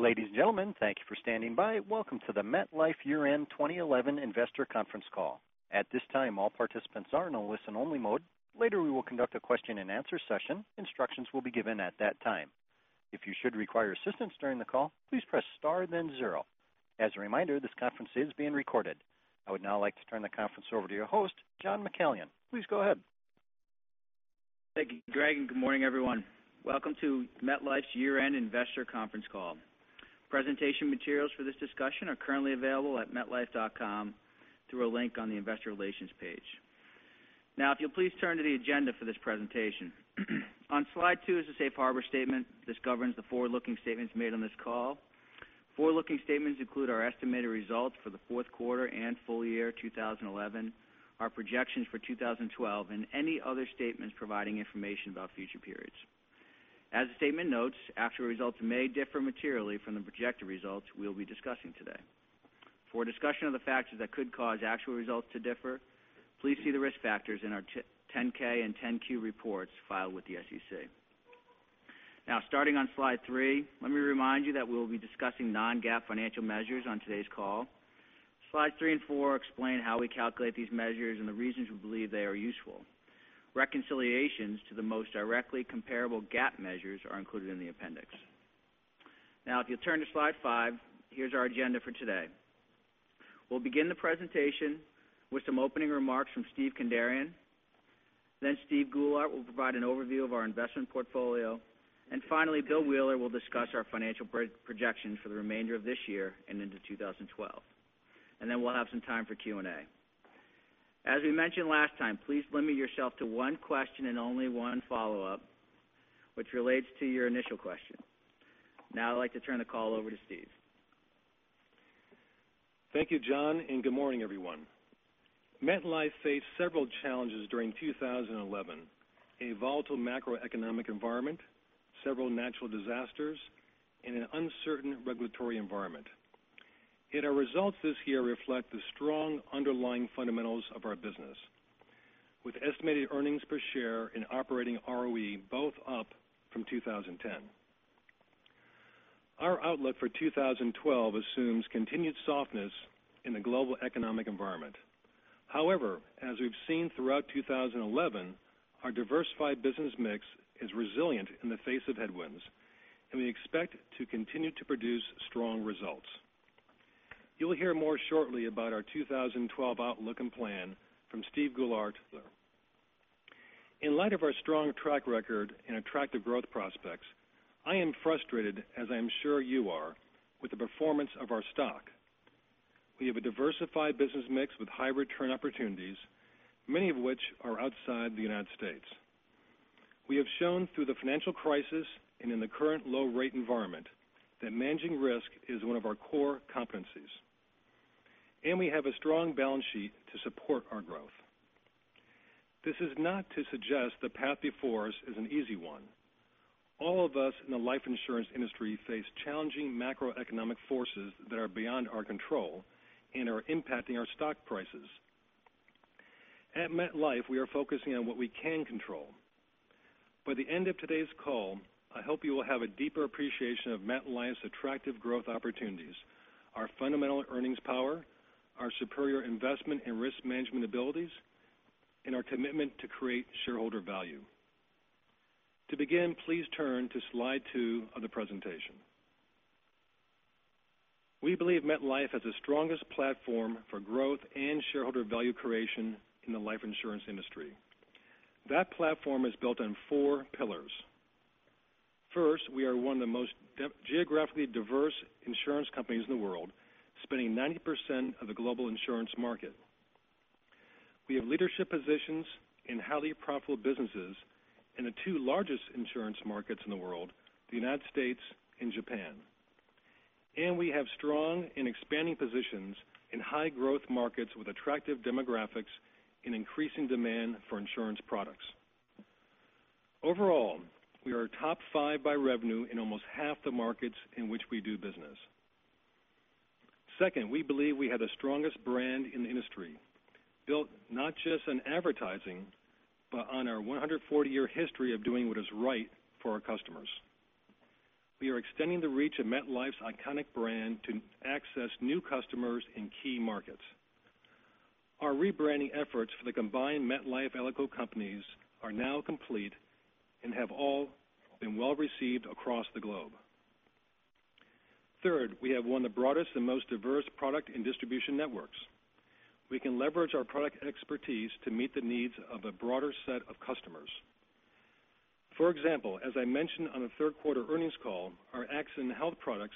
Ladies and gentlemen, thank you for standing by. Welcome to the MetLife year-end 2011 investor conference call. At this time, all participants are in a listen-only mode. Later, we will conduct a question-and-answer session. Instructions will be given at that time. If you should require assistance during the call, please press star then zero. As a reminder, this conference is being recorded. I would now like to turn the conference over to your host, John McCallion. Please go ahead. Thank you, Greg, and good morning, everyone. Welcome to MetLife's year-end investor conference call. Presentation materials for this discussion are currently available at metlife.com through a link on the investor relations page. If you'll please turn to the agenda for this presentation. On slide two is a safe harbor statement. This governs the forward-looking statements made on this call. Forward-looking statements include our estimated results for the fourth quarter and full year 2011, our projections for 2012, any other statements providing information about future periods. As the statement notes, actual results may differ materially from the projected results we'll be discussing today. For a discussion of the factors that could cause actual results to differ, please see the risk factors in our 10-K and 10-Q reports filed with the SEC. Starting on slide three, let me remind you that we will be discussing non-GAAP financial measures on today's call. Slides three and four explain how we calculate these measures and the reasons we believe they are useful. Reconciliations to the most directly comparable GAAP measures are included in the appendix. If you'll turn to slide five, here's our agenda for today. We'll begin the presentation with some opening remarks from Steve Kandarian. Then Steve Goulart will provide an overview of our investment portfolio, finally, Bill Wheeler will discuss our financial projections for the remainder of this year and into 2012. Then we'll have some time for Q&A. As we mentioned last time, please limit yourself to one question and only one follow-up, which relates to your initial question. I'd like to turn the call over to Steve. Thank you, John, and good morning, everyone. MetLife faced several challenges during 2011: a volatile macroeconomic environment, several natural disasters, an uncertain regulatory environment. Our results this year reflect the strong underlying fundamentals of our business, with estimated earnings per share and operating ROE both up from 2010. Our outlook for 2012 assumes continued softness in the global economic environment. As we've seen throughout 2011, our diversified business mix is resilient in the face of headwinds, we expect to continue to produce strong results. You'll hear more shortly about our 2012 outlook and plan from Steve Goulart. In light of our strong track record and attractive growth prospects, I am frustrated, as I am sure you are, with the performance of our stock. We have a diversified business mix with high return opportunities, many of which are outside the United States. We have shown through the financial crisis and in the current low-rate environment that managing risk is one of our core competencies, and we have a strong balance sheet to support our growth. This is not to suggest the path before us is an easy one. All of us in the life insurance industry face challenging macroeconomic forces that are beyond our control and are impacting our stock prices. At MetLife, we are focusing on what we can control. By the end of today's call, I hope you will have a deeper appreciation of MetLife's attractive growth opportunities, our fundamental earnings power, our superior investment and risk management abilities, and our commitment to create shareholder value. To begin, please turn to slide two of the presentation. We believe MetLife has the strongest platform for growth and shareholder value creation in the life insurance industry. That platform is built on four pillars. First, we are one of the most geographically diverse insurance companies in the world, spanning 90% of the global insurance market. We have leadership positions in highly profitable businesses in the two largest insurance markets in the world, the United States and Japan. We have strong and expanding positions in high-growth markets with attractive demographics and increasing demand for insurance products. Overall, we are top five by revenue in almost half the markets in which we do business. Second, we believe we have the strongest brand in the industry, built not just on advertising, but on our 140-year history of doing what is right for our customers. We are extending the reach of MetLife's iconic brand to access new customers in key markets. Our rebranding efforts for the combined MetLife/ALICO companies are now complete and have all been well received across the globe. Third, we have one of the broadest and most diverse product and distribution networks. We can leverage our product expertise to meet the needs of a broader set of customers. For example, as I mentioned on the third quarter earnings call, our accident health products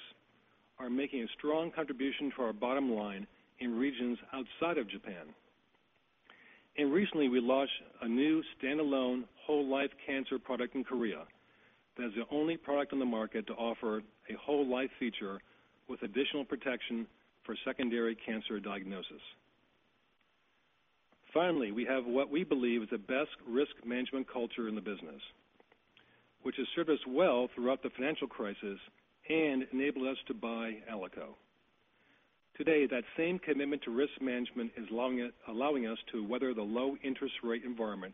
are making a strong contribution to our bottom line in regions outside of Japan. Recently, we launched a new standalone whole life cancer product in Korea that is the only product on the market to offer a whole life feature with additional protection for secondary cancer diagnosis. Finally, we have what we believe is the best risk management culture in the business, which has served us well throughout the financial crisis and enabled us to buy ALICO. Today, that same commitment to risk management is allowing us to weather the low interest rate environment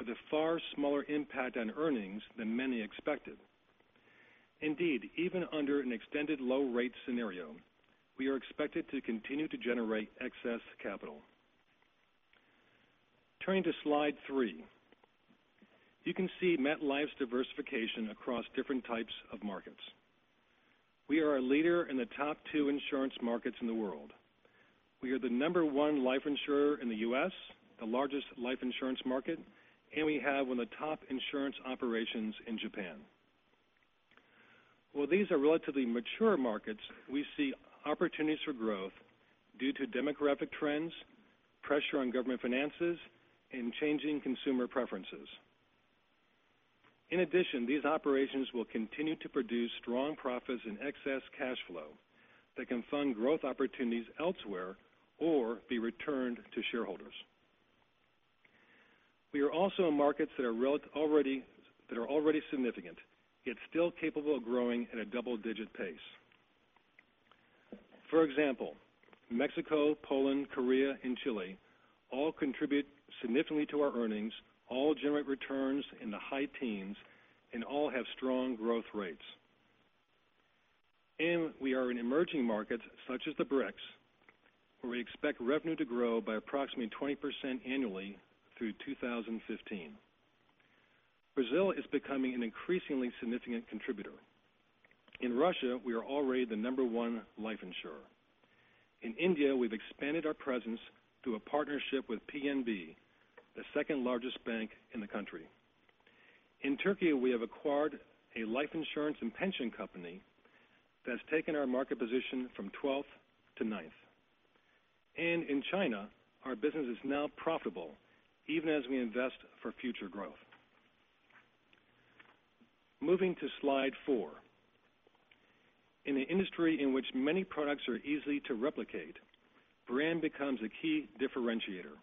with a far smaller impact on earnings than many expected. Indeed, even under an extended low rate scenario, we are expected to continue to generate excess capital. Turning to slide three. You can see MetLife's diversification across different types of markets. We are a leader in the top two insurance markets in the world. We are the number one life insurer in the U.S., the largest life insurance market. We have one of the top insurance operations in Japan. While these are relatively mature markets, we see opportunities for growth due to demographic trends, pressure on government finances, and changing consumer preferences. In addition, these operations will continue to produce strong profits and excess cash flow that can fund growth opportunities elsewhere or be returned to shareholders. We are also in markets that are already significant, yet still capable of growing at a double-digit pace. For example, Mexico, Poland, Korea, and Chile all contribute significantly to our earnings, all generate returns in the high teens, and all have strong growth rates. We are in emerging markets such as the BRICS, where we expect revenue to grow by approximately 20% annually through 2015. Brazil is becoming an increasingly significant contributor. In Russia, we are already the number one life insurer. In India, we've expanded our presence through a partnership with PNB, the second largest bank in the country. In Turkey, we have acquired a life insurance and pension company that's taken our market position from 12th to 9th. In China, our business is now profitable even as we invest for future growth. Moving to slide four. In an industry in which many products are easy to replicate, brand becomes a key differentiator.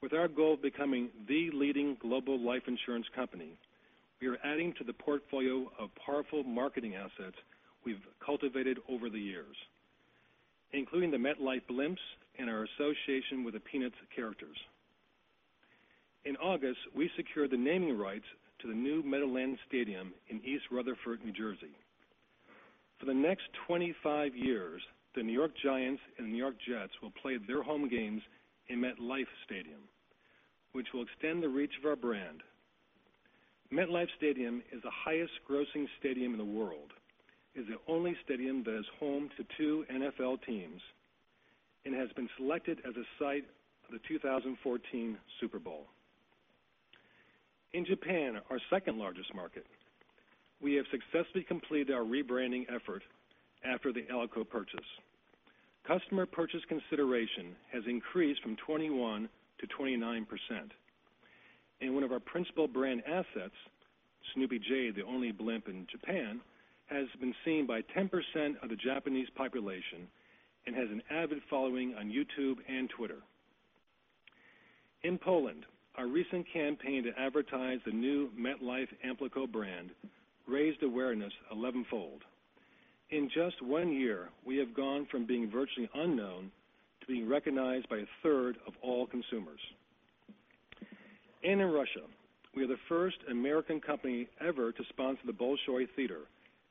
With our goal of becoming the leading global life insurance company, we are adding to the portfolio of powerful marketing assets we've cultivated over the years, including the MetLife blimps and our association with the Peanuts characters. In August, we secured the naming rights to the new Meadowlands Stadium in East Rutherford, New Jersey. For the next 25 years, the New York Giants and New York Jets will play their home games in MetLife Stadium, which will extend the reach of our brand. MetLife Stadium is the highest grossing stadium in the world, is the only stadium that is home to two NFL teams, and has been selected as a site of the 2014 Super Bowl. In Japan, our second largest market, we have successfully completed our rebranding effort after the ALICO purchase. Customer purchase consideration has increased from 21% to 29%. One of our principal brand assets, Snoopy J, the only blimp in Japan, has been seen by 10% of the Japanese population and has an avid following on YouTube and Twitter. In Poland, our recent campaign to advertise the new MetLife Amplico brand raised awareness 11-fold. In just one year, we have gone from being virtually unknown to being recognized by a third of all consumers. In Russia, we are the first American company ever to sponsor the Bolshoi Theatre,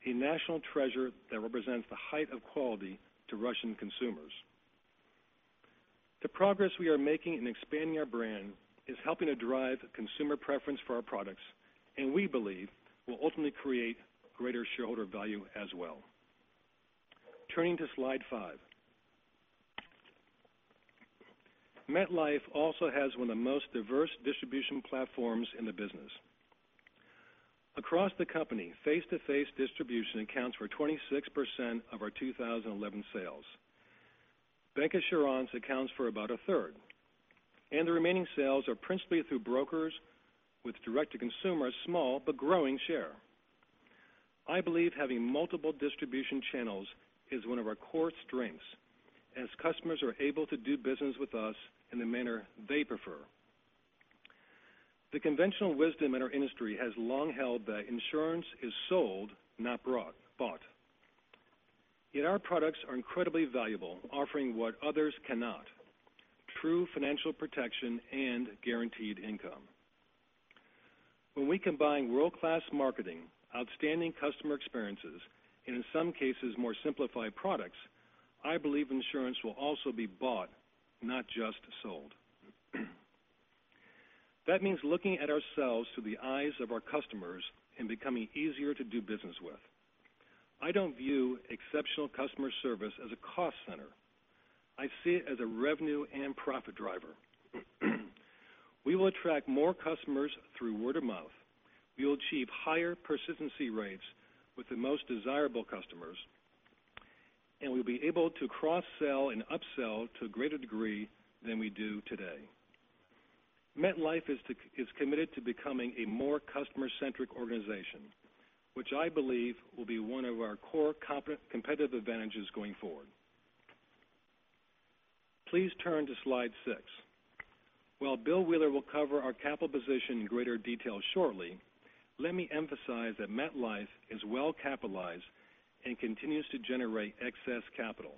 a national treasure that represents the height of quality to Russian consumers. The progress we are making in expanding our brand is helping to drive consumer preference for our products and we believe will ultimately create greater shareholder value as well. Turning to slide five. MetLife also has one of the most diverse distribution platforms in the business. Across the company, face-to-face distribution accounts for 26% of our 2011 sales. Bancassurance accounts for about a third, and the remaining sales are principally through brokers with direct-to-consumer, a small but growing share. I believe having multiple distribution channels is one of our core strengths, as customers are able to do business with us in the manner they prefer. The conventional wisdom in our industry has long held that insurance is sold, not bought. Yet our products are incredibly valuable, offering what others cannot, true financial protection and guaranteed income. When we combine world-class marketing, outstanding customer experiences, and in some cases, more simplified products, I believe insurance will also be bought, not just sold. That means looking at ourselves through the eyes of our customers and becoming easier to do business with. I don't view exceptional customer service as a cost center. I see it as a revenue and profit driver. We will attract more customers through word of mouth. We will achieve higher persistency rates with the most desirable customers, and we'll be able to cross-sell and upsell to a greater degree than we do today. MetLife is committed to becoming a more customer-centric organization, which I believe will be one of our core competitive advantages going forward. Please turn to Slide six. While Bill Wheeler will cover our capital position in greater detail shortly, let me emphasize that MetLife is well-capitalized and continues to generate excess capital.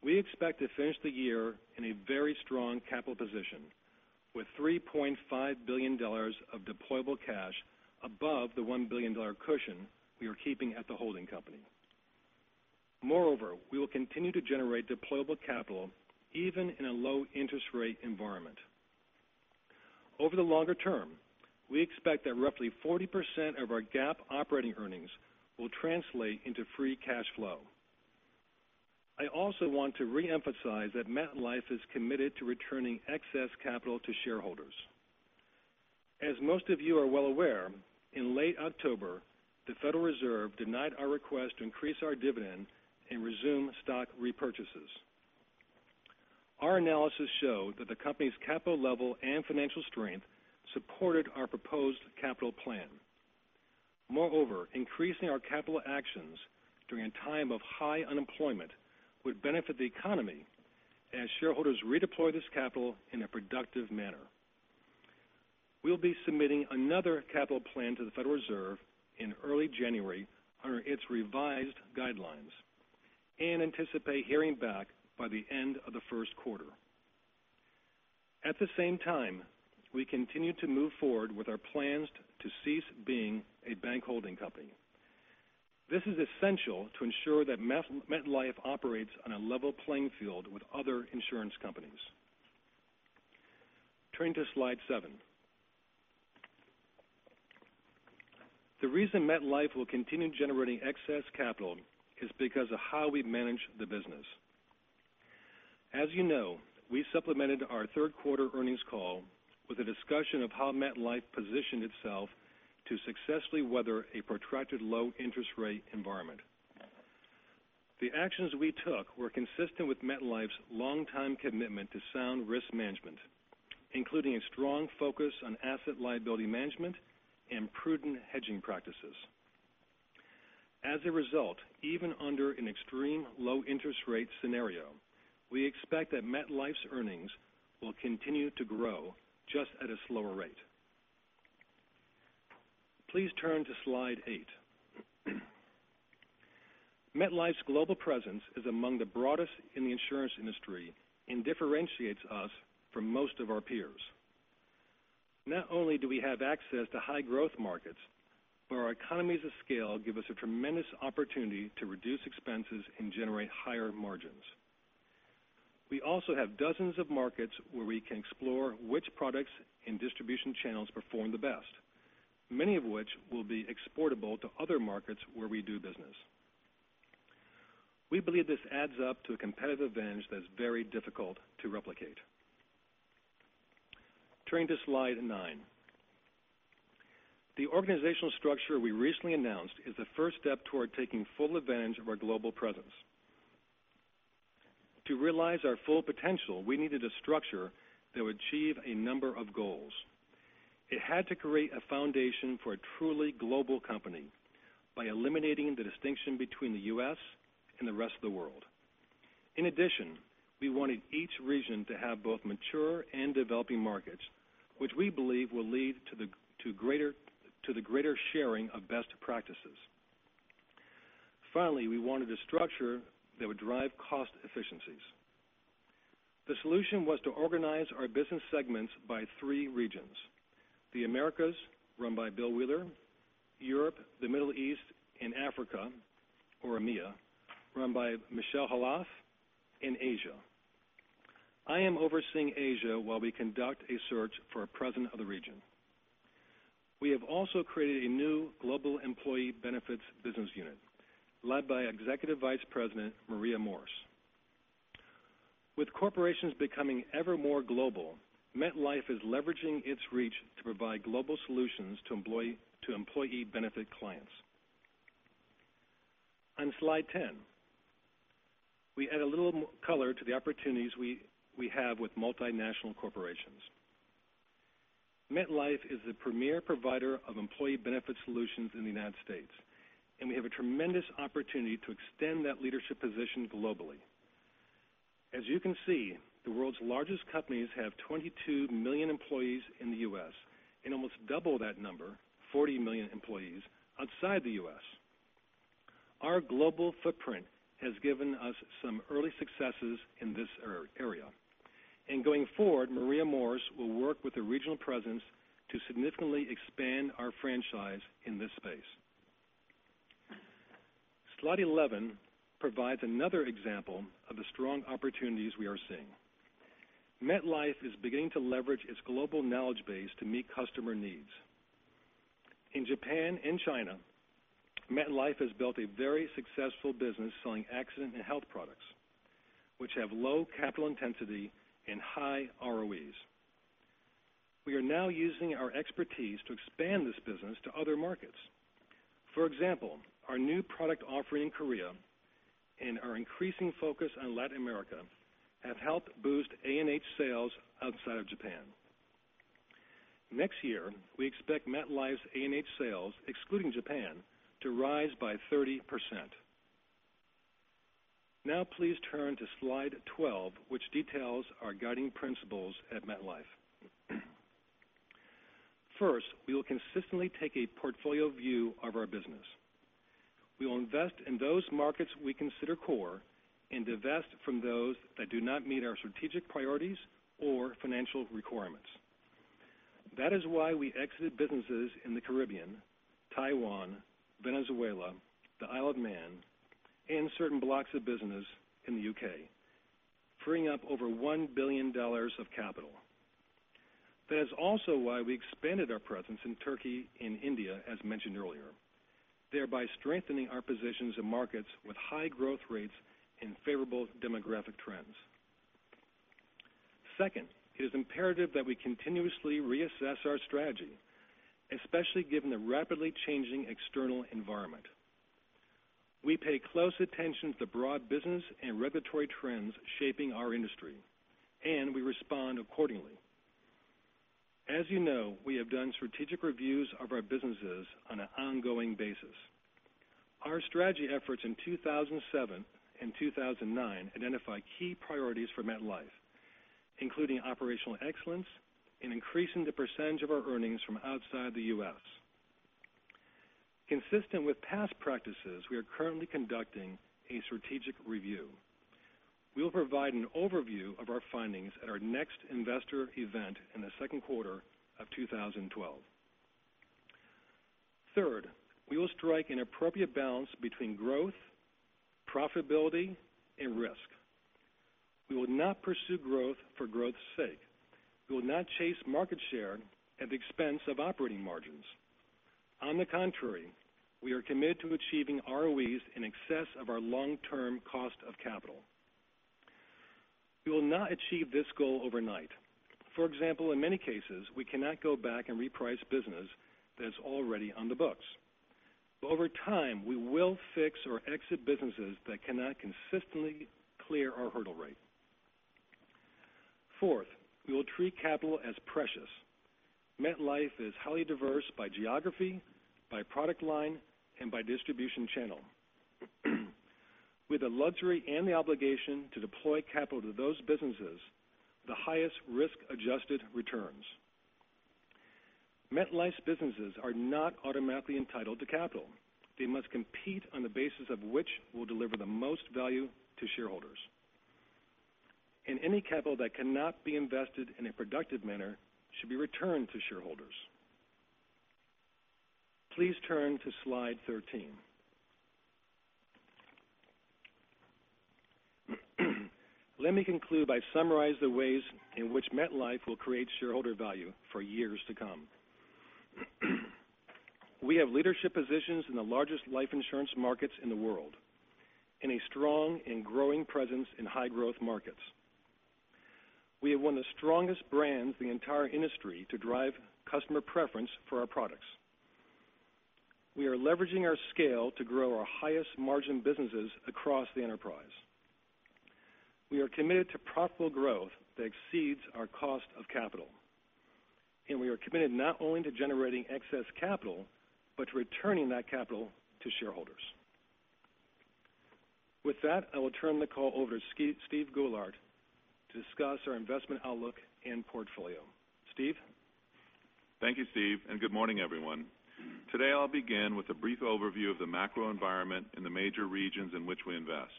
We expect to finish the year in a very strong capital position with $3.5 billion of deployable cash above the $1 billion cushion we are keeping at the holding company. Moreover, we will continue to generate deployable capital even in a low interest rate environment. Over the longer term, we expect that roughly 40% of our GAAP operating earnings will translate into free cash flow. I also want to reemphasize that MetLife is committed to returning excess capital to shareholders. As most of you are well aware, in late October, the Federal Reserve denied our request to increase our dividend and resume stock repurchases. Our analysis showed that the company's capital level and financial strength supported our proposed capital plan. Moreover, increasing our capital actions during a time of high unemployment would benefit the economy as shareholders redeploy this capital in a productive manner. We'll be submitting another capital plan to the Federal Reserve in early January under its revised guidelines and anticipate hearing back by the end of the first quarter. At the same time, we continue to move forward with our plans to cease being a bank holding company. This is essential to ensure that MetLife operates on a level playing field with other insurance companies. Turn to Slide seven. The reason MetLife will continue generating excess capital is because of how we manage the business. As you know, we supplemented our third quarter earnings call with a discussion of how MetLife positioned itself to successfully weather a protracted low interest rate environment. The actions we took were consistent with MetLife's longtime commitment to sound risk management, including a strong focus on asset liability management and prudent hedging practices. As a result, even under an extreme low interest rate scenario, we expect that MetLife's earnings will continue to grow, just at a slower rate. Please turn to Slide eight. MetLife's global presence is among the broadest in the insurance industry and differentiates us from most of our peers. Not only do we have access to high growth markets, but our economies of scale give us a tremendous opportunity to reduce expenses and generate higher margins. We also have dozens of markets where we can explore which products and distribution channels perform the best, many of which will be exportable to other markets where we do business. We believe this adds up to a competitive advantage that is very difficult to replicate. Turn to Slide nine. The organizational structure we recently announced is the first step toward taking full advantage of our global presence. To realize our full potential, we needed a structure that would achieve a number of goals. It had to create a foundation for a truly global company by eliminating the distinction between the U.S. and the rest of the world. In addition, we wanted each region to have both mature and developing markets, which we believe will lead to the greater sharing of best practices. Finally, we wanted a structure that would drive cost efficiencies. The solution was to organize our business segments by three regions: the Americas, run by Bill Wheeler, Europe, the Middle East, and Africa, or EMEA, run by Michel Khalaf, and Asia. I am overseeing Asia while we conduct a search for a president of the region. We have also created a new global employee benefits business unit led by Executive Vice President Maria Morris. With corporations becoming ever more global, MetLife is leveraging its reach to provide global solutions to employee benefit clients. On Slide 10, we add a little color to the opportunities we have with multinational corporations. MetLife is the premier provider of employee benefit solutions in the United States, and we have a tremendous opportunity to extend that leadership position globally. As you can see, the world's largest companies have 22 million employees in the U.S. and almost double that number, 40 million employees, outside the U.S. Our global footprint has given us some early successes in this area. Going forward, Maria Morris will work with the regional presidents to significantly expand our franchise in this space. Slide 11 provides another example of the strong opportunities we are seeing. MetLife is beginning to leverage its global knowledge base to meet customer needs. In Japan and China, MetLife has built a very successful business selling accident and health products, which have low capital intensity and high ROEs. We are now using our expertise to expand this business to other markets. For example, our new product offering in Korea and our increasing focus on Latin America have helped boost A&H sales outside of Japan. Next year, we expect MetLife's A&H sales, excluding Japan, to rise by 30%. Please turn to Slide 12, which details our guiding principles at MetLife. First, we will consistently take a portfolio view of our business. We will invest in those markets we consider core and divest from those that do not meet our strategic priorities or financial requirements. That is why we exited businesses in the Caribbean, Taiwan, Venezuela, the Isle of Man, and certain blocks of business in the U.K., freeing up over $1 billion of capital. That is also why we expanded our presence in Turkey and India, as mentioned earlier, thereby strengthening our positions in markets with high growth rates and favorable demographic trends. Second, it is imperative that we continuously reassess our strategy, especially given the rapidly changing external environment. We pay close attention to broad business and regulatory trends shaping our industry, and we respond accordingly. As you know, we have done strategic reviews of our businesses on an ongoing basis. Our strategy efforts in 2007 and 2009 identify key priorities for MetLife, including operational excellence and increasing the percentage of our earnings from outside the U.S. Consistent with past practices, we are currently conducting a strategic review. We will provide an overview of our findings at our next investor event in the second quarter of 2012. Third, we will strike an appropriate balance between growth, profitability, and risk. We will not pursue growth for growth's sake. We will not chase market share at the expense of operating margins. On the contrary, we are committed to achieving ROEs in excess of our long-term cost of capital. We will not achieve this goal overnight. For example, in many cases, we cannot go back and reprice business that's already on the books. Over time, we will fix or exit businesses that cannot consistently clear our hurdle rate. Fourth, we will treat capital as precious. MetLife is highly diverse by geography, by product line, and by distribution channel. With the luxury and the obligation to deploy capital to those businesses, the highest risk-adjusted returns. MetLife's businesses are not automatically entitled to capital. They must compete on the basis of which will deliver the most value to shareholders. Any capital that cannot be invested in a productive manner should be returned to shareholders. Please turn to slide 13. Let me conclude by summarizing the ways in which MetLife will create shareholder value for years to come. We have leadership positions in the largest life insurance markets in the world and a strong and growing presence in high-growth markets. We have one of the strongest brands in the entire industry to drive customer preference for our products. We are leveraging our scale to grow our highest margin businesses across the enterprise. We are committed to profitable growth that exceeds our cost of capital. We are committed not only to generating excess capital, but to returning that capital to shareholders. With that, I will turn the call over to Steve Goulart to discuss our investment outlook and portfolio. Steve? Thank you, Steve, and good morning, everyone. Today, I'll begin with a brief overview of the macro environment in the major regions in which we invest.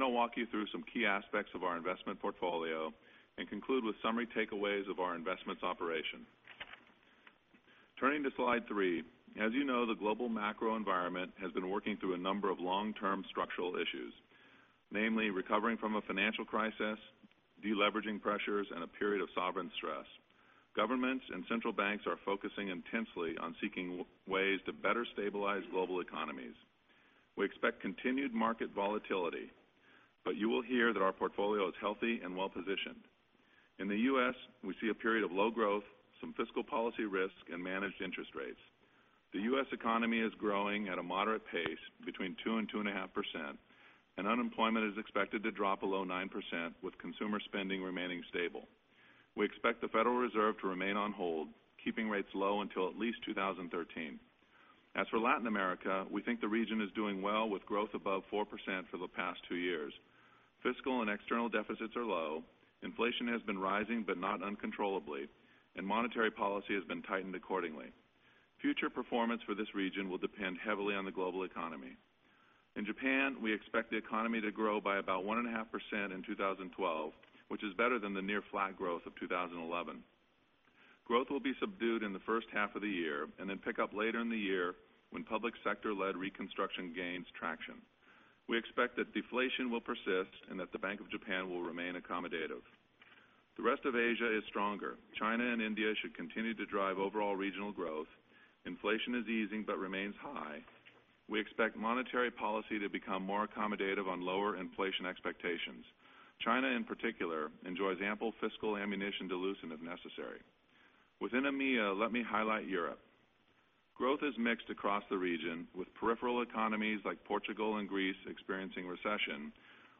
I'll walk you through some key aspects of our investment portfolio and conclude with summary takeaways of our investments operation. Turning to slide three. As you know, the global macro environment has been working through a number of long-term structural issues, namely recovering from a financial crisis, deleveraging pressures, and a period of sovereign stress. Governments and central banks are focusing intensely on seeking ways to better stabilize global economies. We expect continued market volatility, but you will hear that our portfolio is healthy and well-positioned. In the U.S., we see a period of low growth, some fiscal policy risk, and managed interest rates. The U.S. economy is growing at a moderate pace, between 2%-2.5%, and unemployment is expected to drop below 9%, with consumer spending remaining stable. We expect the Federal Reserve to remain on hold, keeping rates low until at least 2013. As for Latin America, we think the region is doing well with growth above 4% for the past two years. Fiscal and external deficits are low, inflation has been rising, but not uncontrollably, and monetary policy has been tightened accordingly. Future performance for this region will depend heavily on the global economy. In Japan, we expect the economy to grow by about 1.5% in 2012, which is better than the near flat growth of 2011. Growth will be subdued in the first half of the year and then pick up later in the year when public sector-led reconstruction gains traction. We expect that deflation will persist and that the Bank of Japan will remain accommodative. The rest of Asia is stronger. China and India should continue to drive overall regional growth. Inflation is easing but remains high. We expect monetary policy to become more accommodative on lower inflation expectations. China, in particular, enjoys ample fiscal ammunition to loosen if necessary. Within EMEA, let me highlight Europe. Growth is mixed across the region, with peripheral economies like Portugal and Greece experiencing recession,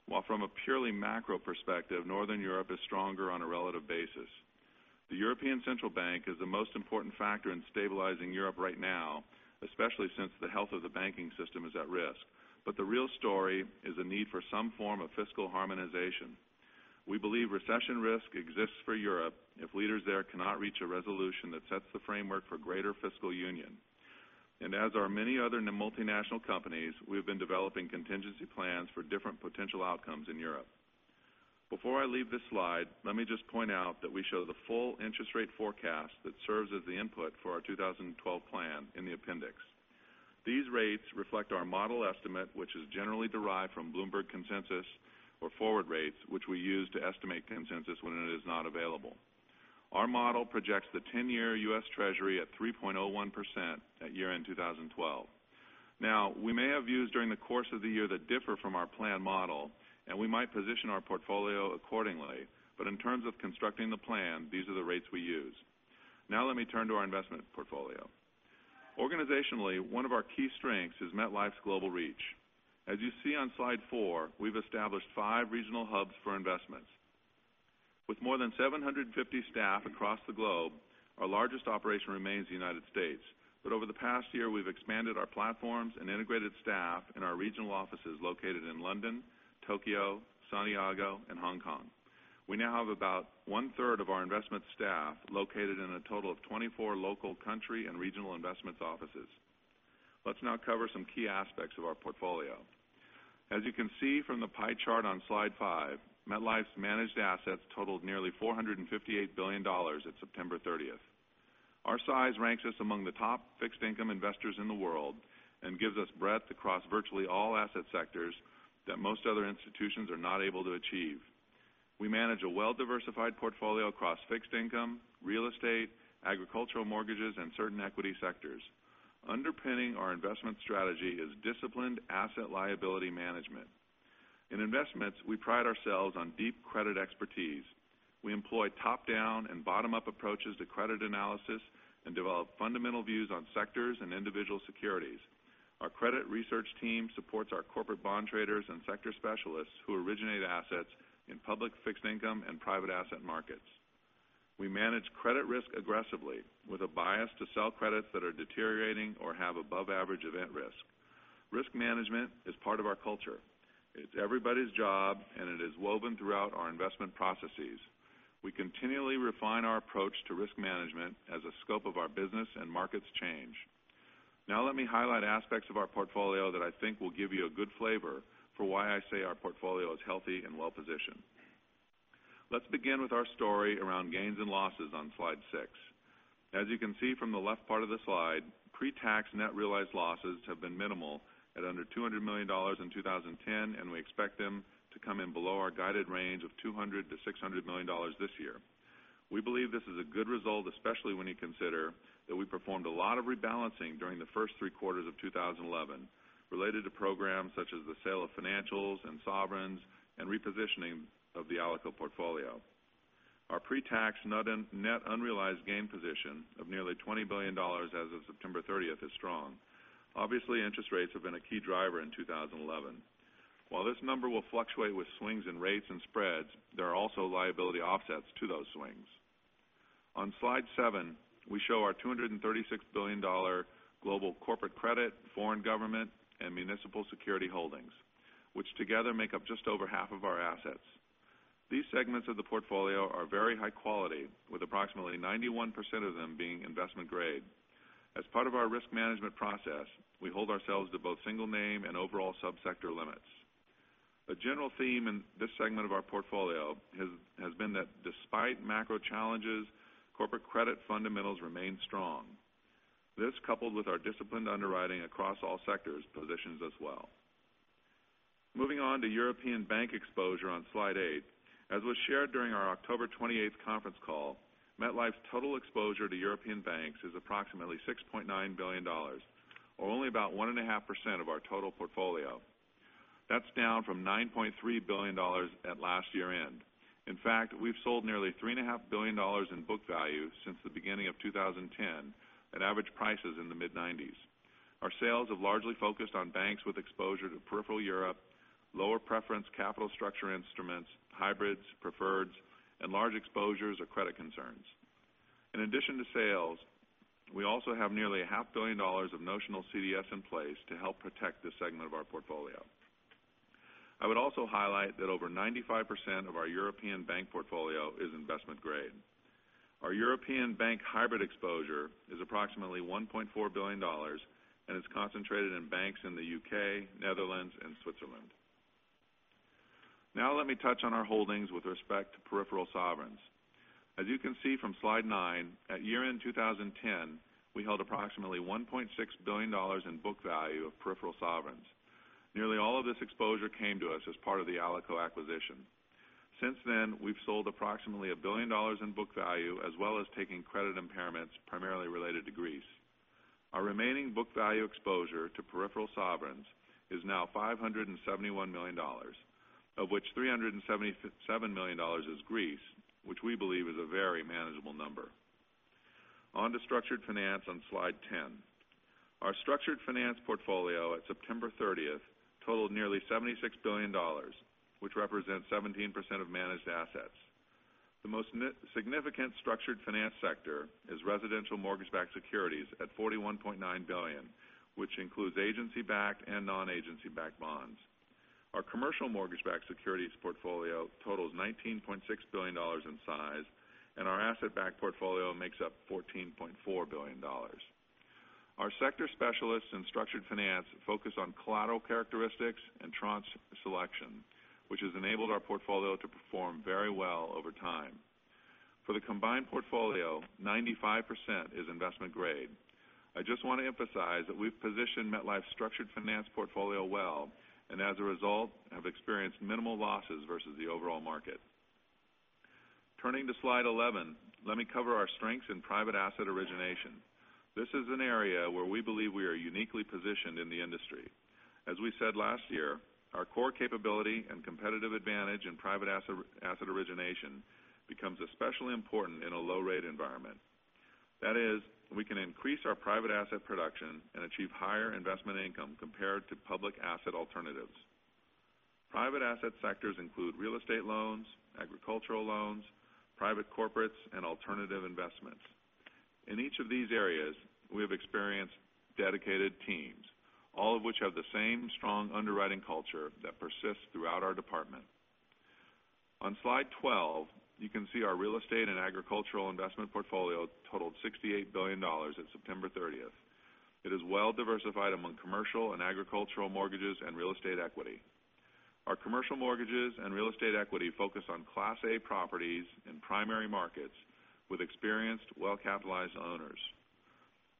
while from a purely macro perspective, Northern Europe is stronger on a relative basis. The European Central Bank is the most important factor in stabilizing Europe right now, especially since the health of the banking system is at risk. The real story is a need for some form of fiscal harmonization. We believe recession risk exists for Europe if leaders there cannot reach a resolution that sets the framework for greater fiscal union. As are many other multinational companies, we have been developing contingency plans for different potential outcomes in Europe. Before I leave this slide, let me just point out that we show the full interest rate forecast that serves as the input for our 2012 plan in the appendix. These rates reflect our model estimate, which is generally derived from Bloomberg consensus or forward rates, which we use to estimate consensus when it is not available. Our model projects the 10-year U.S. Treasury at 3.01% at year-end 2012. We may have views during the course of the year that differ from our plan model, and we might position our portfolio accordingly. In terms of constructing the plan, these are the rates we use. Let me turn to our investment portfolio. Organizationally, one of our key strengths is MetLife's global reach. As you see on slide four, we've established five regional hubs for investments. With more than 750 staff across the globe, our largest operation remains the United States. Over the past year, we've expanded our platforms and integrated staff in our regional offices, located in London, Tokyo, Santiago, and Hong Kong. We now have about one-third of our investment staff located in a total of 24 local country and regional investments offices. Let's now cover some key aspects of our portfolio. As you can see from the pie chart on slide five, MetLife's managed assets totaled nearly $458 billion at September 30th. Our size ranks us among the top fixed income investors in the world and gives us breadth across virtually all asset sectors that most other institutions are not able to achieve. We manage a well-diversified portfolio across fixed income, real estate, agricultural mortgages, and certain equity sectors. Underpinning our investment strategy is disciplined asset-liability management. In investments, we pride ourselves on deep credit expertise. We employ top-down and bottom-up approaches to credit analysis and develop fundamental views on sectors and individual securities. Our credit research team supports our corporate bond traders and sector specialists who originate assets in public fixed income and private asset markets. We manage credit risk aggressively with a bias to sell credits that are deteriorating or have above-average event risk. Risk management is part of our culture. It's everybody's job, and it is woven throughout our investment processes. We continually refine our approach to risk management as the scope of our business and markets change. Now let me highlight aspects of our portfolio that I think will give you a good flavor for why I say our portfolio is healthy and well-positioned. Let's begin with our story around gains and losses on slide six. As you can see from the left part of the slide, pre-tax net realized losses have been minimal at under $200 million in 2010, and we expect them to come in below our guided range of $200 million-$600 million this year. We believe this is a good result, especially when you consider that we performed a lot of rebalancing during the first three quarters of 2011, related to programs such as the sale of financials and sovereigns and repositioning of the ALICO portfolio. Our pre-tax net unrealized gain position of nearly $20 billion as of September 30th is strong. Obviously, interest rates have been a key driver in 2011. While this number will fluctuate with swings in rates and spreads, there are also liability offsets to those swings. On slide seven, we show our $236 billion global corporate credit, foreign government, and municipal security holdings, which together make up just over half of our assets. These segments of the portfolio are very high quality, with approximately 91% of them being investment-grade. As part of our risk management process, we hold ourselves to both single name and overall sub-sector limits. A general theme in this segment of our portfolio has been that despite macro challenges, corporate credit fundamentals remain strong. This, coupled with our disciplined underwriting across all sectors, positions us well. Moving on to European bank exposure on slide eight. As was shared during our October 28th conference call, MetLife's total exposure to European banks is approximately $6.9 billion, or only about 1.5% of our total portfolio. That's down from $9.3 billion at last year-end. In fact, we've sold nearly $3.5 billion in book value since the beginning of 2010 at average prices in the mid-90s. Our sales have largely focused on banks with exposure to peripheral Europe, lower preference capital structure instruments, hybrids, preferreds, and large exposures or credit concerns. In addition to sales, we also have nearly a half billion dollars of notional CDS in place to help protect this segment of our portfolio. I would also highlight that over 95% of our European bank portfolio is investment grade. Our European bank hybrid exposure is approximately $1.4 billion and is concentrated in banks in the U.K., Netherlands, and Switzerland. Now let me touch on our holdings with respect to peripheral sovereigns. As you can see from slide nine, at year-end 2010, we held approximately $1.6 billion in book value of peripheral sovereigns. Nearly all of this exposure came to us as part of the ALICO acquisition. Since then, we've sold approximately $1 billion in book value, as well as taking credit impairments primarily related to Greece. Our remaining book value exposure to peripheral sovereigns is now $571 million. Of which $377 million is Greece, which we believe is a very manageable number. On to structured finance on slide 10. Our structured finance portfolio at September 30th totaled nearly $76 billion, which represents 17% of managed assets. The most significant structured finance sector is residential mortgage-backed securities at $41.9 billion, which includes agency-backed and non-agency backed bonds. Our commercial mortgage-backed securities portfolio totals $19.6 billion in size, and our asset-backed portfolio makes up $14.4 billion. Our sector specialists in structured finance focus on collateral characteristics and tranche selection, which has enabled our portfolio to perform very well over time. For the combined portfolio, 95% is investment grade. I just want to emphasize that we've positioned MetLife's structured finance portfolio well, and as a result, have experienced minimal losses versus the overall market. Turning to slide 11, let me cover our strengths in private asset origination. This is an area where we believe we are uniquely positioned in the industry. As we said last year, our core capability and competitive advantage in private asset origination becomes especially important in a low rate environment. That is, we can increase our private asset production and achieve higher investment income compared to public asset alternatives. Private asset sectors include real estate loans, agricultural loans, private corporates, and alternative investments. In each of these areas, we have experienced dedicated teams, all of which have the same strong underwriting culture that persists throughout our department. On slide 12, you can see our real estate and agricultural investment portfolio totaled $68 billion at September 30th. It is well-diversified among commercial and agricultural mortgages and real estate equity. Our commercial mortgages and real estate equity focus on Class A properties in primary markets with experienced, well-capitalized owners.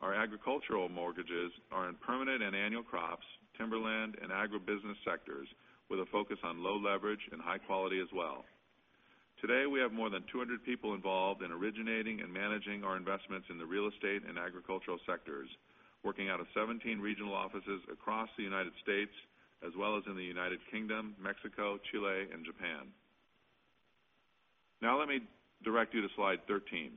Our agricultural mortgages are in permanent and annual crops, timberland, and agribusiness sectors with a focus on low leverage and high quality as well. Today, we have more than 200 people involved in originating and managing our investments in the real estate and agricultural sectors, working out of 17 regional offices across the United States, as well as in the United Kingdom, Mexico, Chile, and Japan. Let me direct you to slide 13.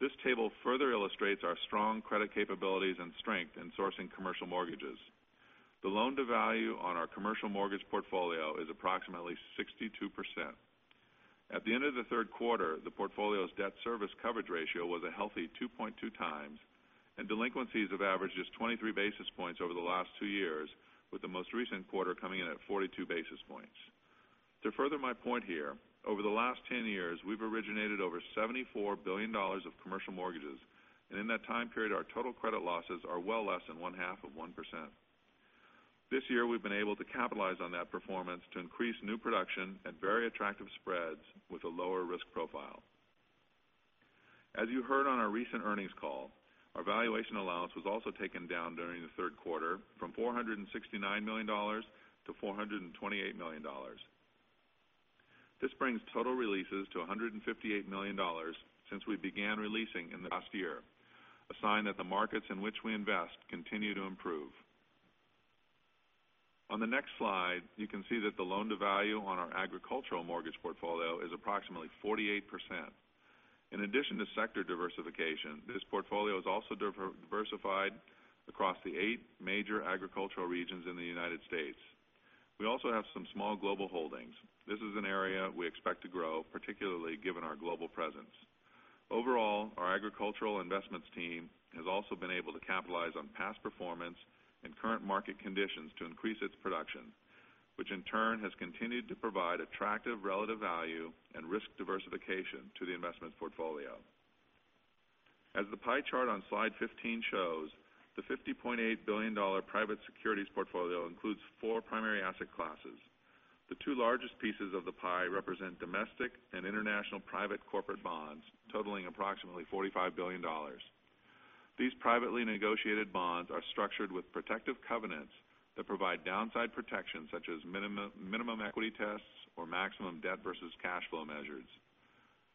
This table further illustrates our strong credit capabilities and strength in sourcing commercial mortgages. The loan-to-value on our commercial mortgage portfolio is approximately 62%. At the end of the third quarter, the portfolio's debt service coverage ratio was a healthy 2.2 times, and delinquencies have averaged just 23 basis points over the last two years, with the most recent quarter coming in at 42 basis points. To further my point here, over the last 10 years, we've originated over $74 billion of commercial mortgages, and in that time period, our total credit losses are well less than one half of 1%. This year, we've been able to capitalize on that performance to increase new production at very attractive spreads with a lower risk profile. As you heard on our recent earnings call, our valuation allowance was also taken down during the third quarter from $469 million to $428 million. This brings total releases to $158 million since we began releasing in the last year, a sign that the markets in which we invest continue to improve. On the next slide, you can see that the loan to value on our agricultural mortgage portfolio is approximately 48%. In addition to sector diversification, this portfolio is also diversified across the eight major agricultural regions in the United States. We also have some small global holdings. This is an area we expect to grow, particularly given our global presence. Overall, our agricultural investments team has also been able to capitalize on past performance and current market conditions to increase its production, which in turn has continued to provide attractive relative value and risk diversification to the investment portfolio. As the pie chart on slide 15 shows, the $50.8 billion private securities portfolio includes four primary asset classes. The two largest pieces of the pie represent domestic and international private corporate bonds totaling approximately $45 billion. These privately negotiated bonds are structured with protective covenants that provide downside protection, such as minimum equity tests or maximum debt versus cash flow measures.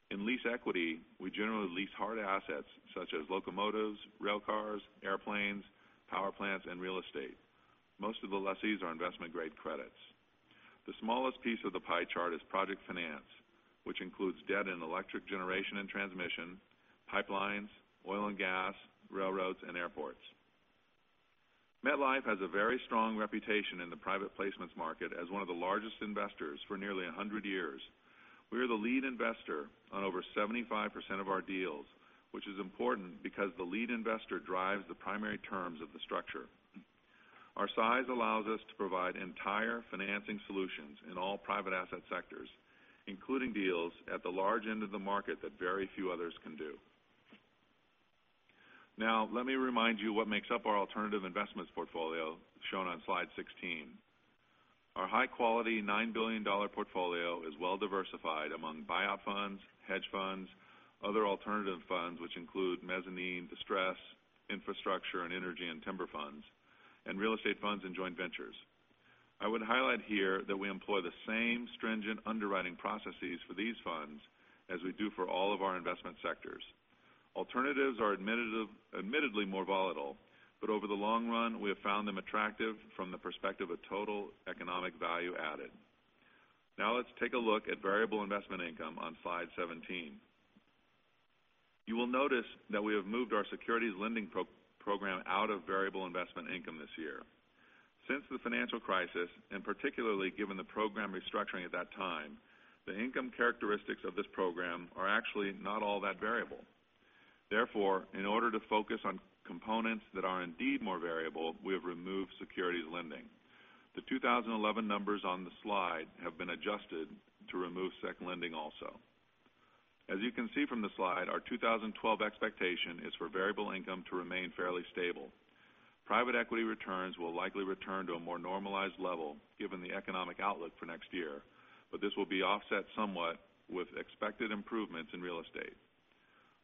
In lease equity, we generally lease hard assets such as locomotives, rail cars, airplanes, power plants, and real estate. Most of the lessees are investment grade credits. The smallest piece of the pie chart is project finance, which includes debt in electric generation and transmission, pipelines, oil and gas, railroads, and airports. MetLife has a very strong reputation in the private placements market as one of the largest investors for nearly 100 years. We are the lead investor on over 75% of our deals, which is important because the lead investor drives the primary terms of the structure. Our size allows us to provide entire financing solutions in all private asset sectors, including deals at the large end of the market that very few others can do. Let me remind you what makes up our alternative investments portfolio shown on slide 16. Our high-quality $9 billion portfolio is well-diversified among buyout funds, hedge funds, other alternative funds, which include mezzanine, distress, infrastructure, and energy and timber funds, and real estate funds and joint ventures. I would highlight here that we employ the same stringent underwriting processes for these funds as we do for all of our investment sectors. Alternatives are admittedly more volatile, but over the long run, we have found them attractive from the perspective of total economic value added. Let's take a look at variable investment income on slide 17. You will notice that we have moved our securities lending program out of variable investment income this year. Since the financial crisis, and particularly given the program restructuring at that time, the income characteristics of this program are actually not all that variable. Therefore, in order to focus on components that are indeed more variable, we have removed securities lending. The 2011 numbers on the slide have been adjusted to remove sec lending also. As you can see from the slide, our 2012 expectation is for variable income to remain fairly stable. Private equity returns will likely return to a more normalized level given the economic outlook for next year, but this will be offset somewhat with expected improvements in real estate.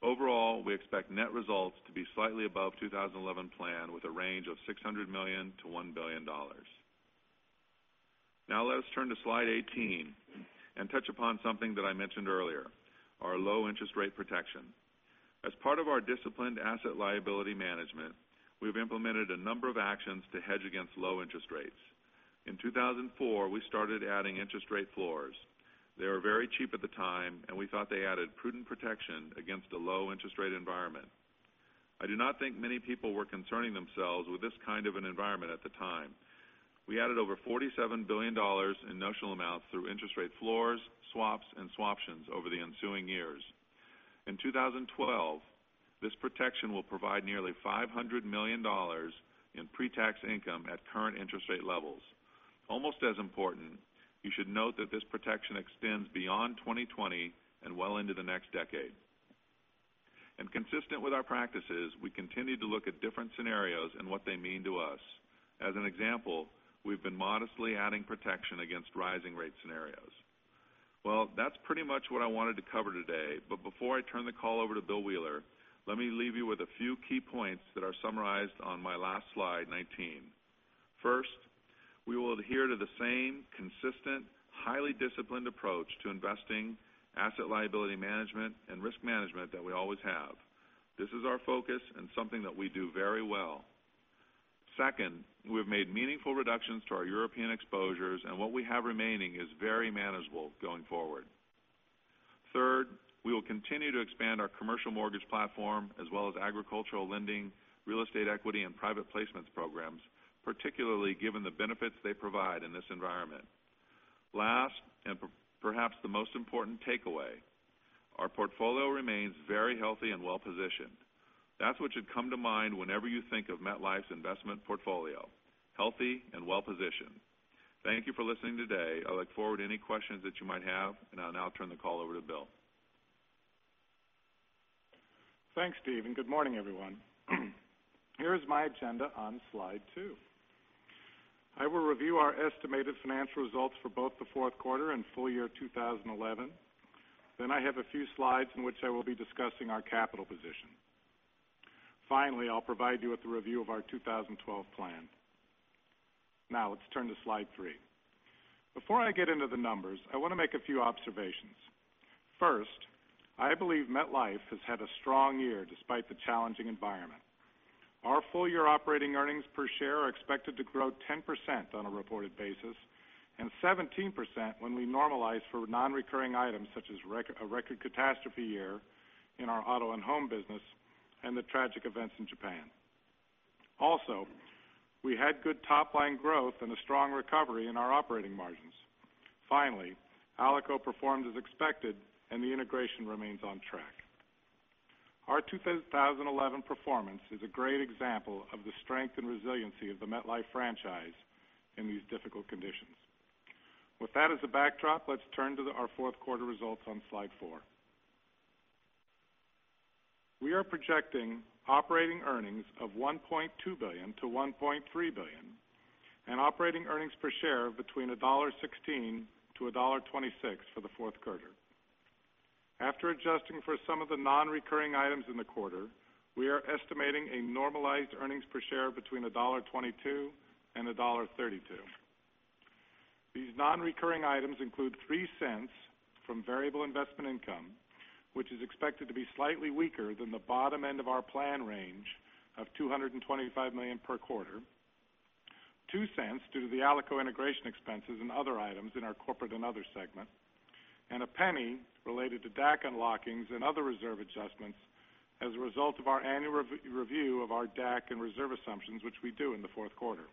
Overall, we expect net results to be slightly above 2011 plan with a range of $600 million-$1 billion. Let us turn to slide 18 and touch upon something that I mentioned earlier, our low interest rate protection. As part of our disciplined asset liability management, we've implemented a number of actions to hedge against low interest rates. In 2004, we started adding interest rate floors. They were very cheap at the time, and we thought they added prudent protection against a low interest rate environment. I do not think many people were concerning themselves with this kind of an environment at the time. We added over $47 billion in notional amounts through interest rate floors, swaps, and swaptions over the ensuing years. In 2012, this protection will provide nearly $500 million in pre-tax income at current interest rate levels. Almost as important, you should note that this protection extends beyond 2020 and well into the next decade. Consistent with our practices, we continue to look at different scenarios and what they mean to us. As an example, we've been modestly adding protection against rising rate scenarios. Well, that's pretty much what I wanted to cover today, but before I turn the call over to Bill Wheeler, let me leave you with a few key points that are summarized on my last slide, 19. First, we will adhere to the same consistent, highly disciplined approach to investing, asset liability management, and risk management that we always have. This is our focus and something that we do very well. Second, we have made meaningful reductions to our European exposures, and what we have remaining is very manageable going forward. Third, we will continue to expand our commercial mortgage platform as well as agricultural lending, real estate equity, and private placements programs, particularly given the benefits they provide in this environment. Last, perhaps the most important takeaway, our portfolio remains very healthy and well-positioned. That's what should come to mind whenever you think of MetLife's investment portfolio, healthy and well-positioned. Thank you for listening today. I look forward to any questions that you might have, and I'll now turn the call over to Bill. Thanks, Steve. Good morning, everyone. Here is my agenda on slide two. I will review our estimated financial results for both the fourth quarter and full year 2011. I have a few slides in which I will be discussing our capital position. Finally, I'll provide you with a review of our 2012 plan. Let's turn to slide three. Before I get into the numbers, I want to make a few observations. First, I believe MetLife has had a strong year despite the challenging environment. Our full-year operating earnings per share are expected to grow 10% on a reported basis and 17% when we normalize for non-recurring items such as a record catastrophe year in our auto and home business and the tragic events in Japan. Also, we had good top-line growth and a strong recovery in our operating margins. Finally, ALICO performed as expected, and the integration remains on track. Our 2011 performance is a great example of the strength and resiliency of the MetLife franchise in these difficult conditions. With that as a backdrop, let's turn to our fourth quarter results on slide four. We are projecting operating earnings of $1.2 billion-$1.3 billion and operating earnings per share of between $1.16-$1.26 for the fourth quarter. After adjusting for some of the non-recurring items in the quarter, we are estimating a normalized earnings per share between $1.22 and $1.32. These non-recurring items include $0.03 from variable investment income, which is expected to be slightly weaker than the bottom end of our plan range of $225 million per quarter, $0.02 due to the ALICO integration expenses and other items in our corporate and other segment, and $0.01 related to DAC unlockings and other reserve adjustments as a result of our annual review of our DAC and reserve assumptions, which we do in the fourth quarter.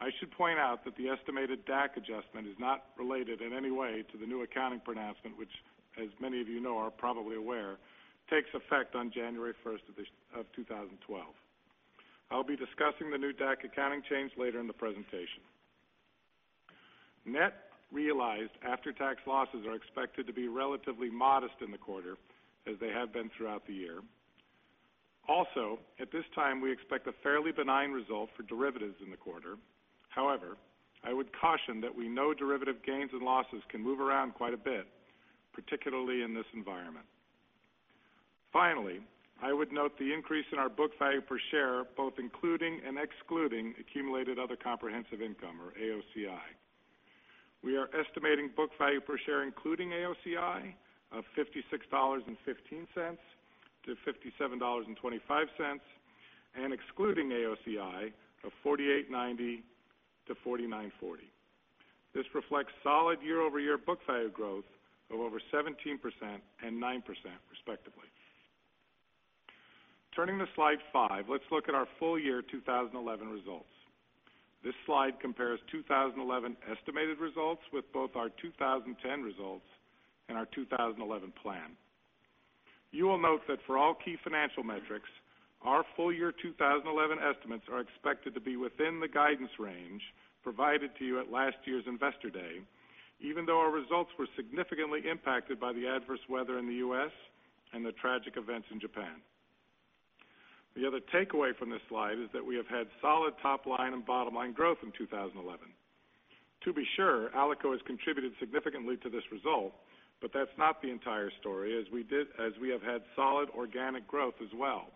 I should point out that the estimated DAC adjustment is not related in any way to the new accounting pronouncement, which, as many of you know, are probably aware, takes effect on January 1st, 2012. I will be discussing the new DAC accounting change later in the presentation. Net realized after-tax losses are expected to be relatively modest in the quarter, as they have been throughout the year. Also, at this time, we expect a fairly benign result for derivatives in the quarter. However, I would caution that we know derivative gains and losses can move around quite a bit, particularly in this environment. Finally, I would note the increase in our book value per share, both including and excluding accumulated other comprehensive income or AOCI. We are estimating book value per share including AOCI of $56.15-$57.25 and excluding AOCI of $48.90-$49.40. This reflects solid year-over-year book value growth of over 17% and 9% respectively. Turning to slide five, let's look at our full year 2011 results. This slide compares 2011 estimated results with both our 2010 results and our 2011 plan. You will note that for all key financial metrics, our full year 2011 estimates are expected to be within the guidance range provided to you at last year's Investor Day, even though our results were significantly impacted by the adverse weather in the U.S. and the tragic events in Japan. The other takeaway from this slide is that we have had solid top line and bottom line growth in 2011. To be sure, ALICO has contributed significantly to this result, but that's not the entire story as we have had solid organic growth as well.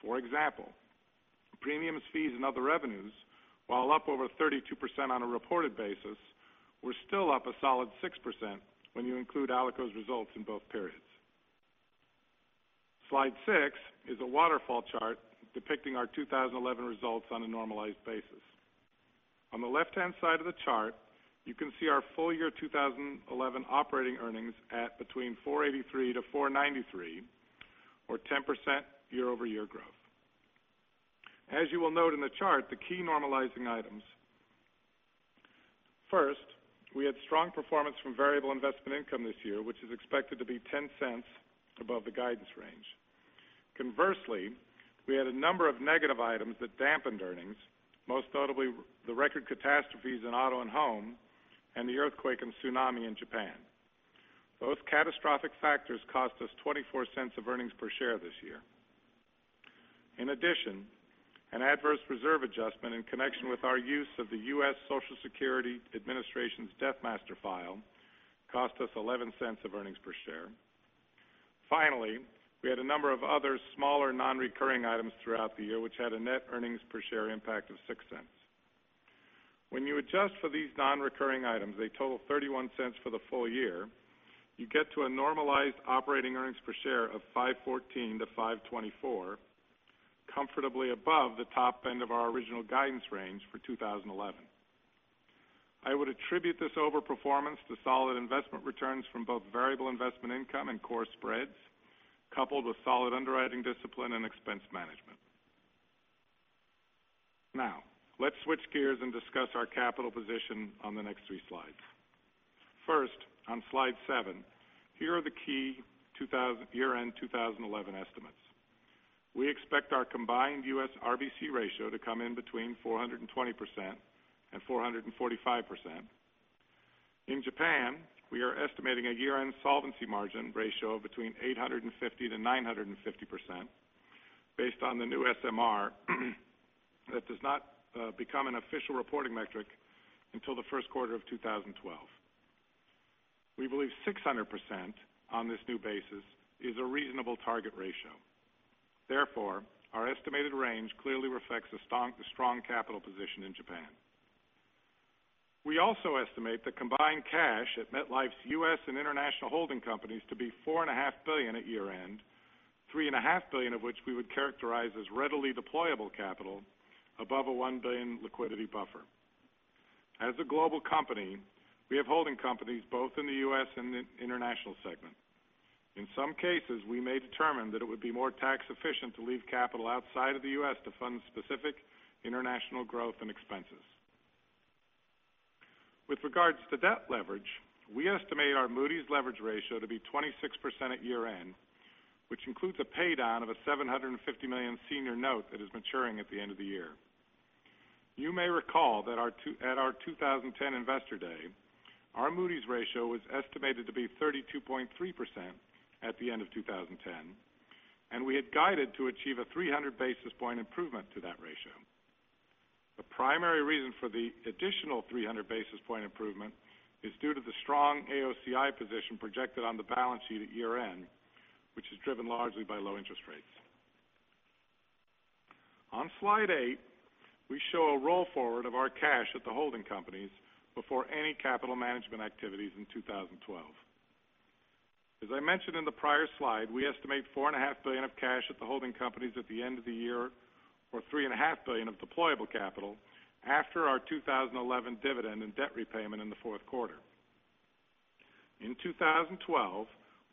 For example, Premiums, Fees and Other revenues, while up over 32% on a reported basis, were still up a solid 6% when you include ALICO's results in both periods. Slide six is a waterfall chart depicting our 2011 results on a normalized basis. On the left-hand side of the chart, you can see our full year 2011 operating earnings at between $4.83-$4.93 or 10% year-over-year growth. As you will note in the chart, the key normalizing items. First, we had strong performance from variable investment income this year, which is expected to be $0.10 above the guidance range. Conversely, we had a number of negative items that dampened earnings, most notably the record catastrophes in auto and home and the earthquake and tsunami in Japan. Both catastrophic factors cost us $0.24 of earnings per share this year. In addition, an adverse reserve adjustment in connection with our use of the U.S. Social Security Administration's Death Master File cost us $0.11 of earnings per share. Finally, we had a number of other smaller non-recurring items throughout the year, which had a net earnings per share impact of $0.06. When you adjust for these non-recurring items, they total $0.31 for the full year, you get to a normalized operating earnings per share of $5.14-$5.24, comfortably above the top end of our original guidance range for 2011. I would attribute this overperformance to solid investment returns from both variable investment income and core spreads, coupled with solid underwriting discipline and expense management. Now let's switch gears and discuss our capital position on the next three slides. First, on slide seven, here are the key year-end 2011 estimates. We expect our combined U.S. RBC ratio to come in between 420%-445%. In Japan, we are estimating a year-end solvency margin ratio of between 850%-950% based on the new SMR that does not become an official reporting metric until the first quarter of 2012. We believe 600% on this new basis is a reasonable target ratio. Therefore, our estimated range clearly reflects the strong capital position in Japan. We also estimate the combined cash at MetLife's U.S. and international holding companies to be $4.5 billion at year-end, $3.5 billion of which we would characterize as readily deployable capital above a $1 billion liquidity buffer. As a global company, we have holding companies both in the U.S. and the international segment. In some cases, we may determine that it would be more tax efficient to leave capital outside of the U.S. to fund specific international growth and expenses. With regards to debt leverage, we estimate our Moody's leverage ratio to be 26% at year-end, which includes a pay down of a $750 million senior note that is maturing at the end of the year. You may recall that at our 2010 Investor Day, our Moody's ratio was estimated to be 32.3% at the end of 2010, and we had guided to achieve a 300 basis point improvement to that ratio. The primary reason for the additional 300 basis point improvement is due to the strong AOCI position projected on the balance sheet at year-end, which is driven largely by low interest rates. On slide eight, we show a roll forward of our cash at the holding companies before any capital management activities in 2012. As I mentioned in the prior slide, we estimate $4.5 billion of cash at the holding companies at the end of the year or $3.5 billion of deployable capital after our 2011 dividend and debt repayment in the fourth quarter. In 2012,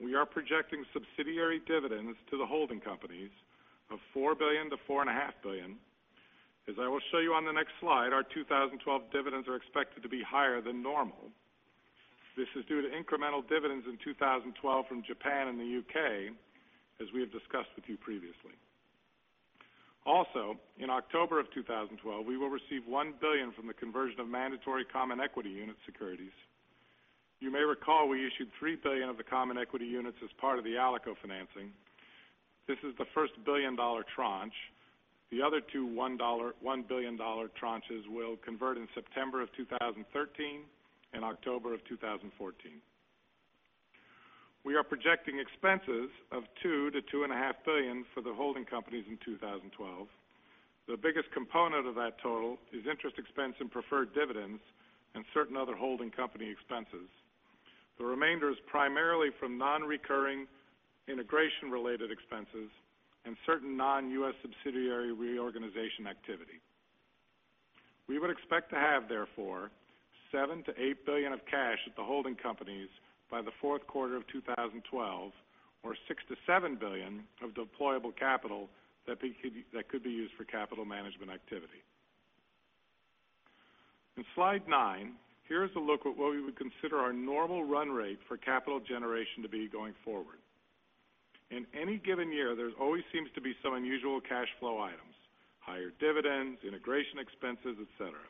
we are projecting subsidiary dividends to the holding companies of $4 billion-$4.5 billion. As I will show you on the next slide, our 2012 dividends are expected to be higher than normal. This is due to incremental dividends in 2012 from Japan and the U.K., as we have discussed with you previously. Also, in October of 2012, we will receive $1 billion from the conversion of mandatory common equity unit securities. You may recall we issued $3 billion of the common equity units as part of the ALICO financing. This is the first $1 billion tranche. The other two $1 billion tranches will convert in September of 2013 and October of 2014. We are projecting expenses of $2 billion-$2.5 billion for the holding companies in 2012. The biggest component of that total is interest expense in preferred dividends and certain other holding company expenses. The remainder is primarily from non-recurring integration related expenses and certain non-U.S. subsidiary reorganization activity. We would expect to have, therefore, $7 billion to $8 billion of cash at the holding companies by the fourth quarter of 2012, or $6 billion to $7 billion of deployable capital that could be used for capital management activity. In slide nine, here is a look at what we would consider our normal run rate for capital generation to be going forward. In any given year, there always seems to be some unusual cash flow items, higher dividends, integration expenses, et cetera.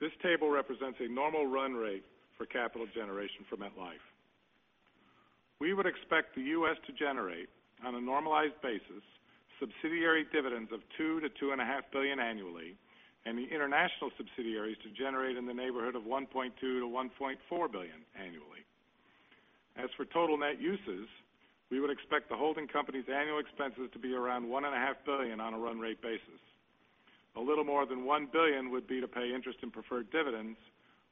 This table represents a normal run rate for capital generation for MetLife. We would expect the U.S. to generate, on a normalized basis, subsidiary dividends of $2 billion to $2.5 billion annually, and the international subsidiaries to generate in the neighborhood of $1.2 billion to $1.4 billion annually. As for total net uses, we would expect the holding company's annual expenses to be around $1.5 billion on a run rate basis. A little more than $1 billion would be to pay interest in preferred dividends,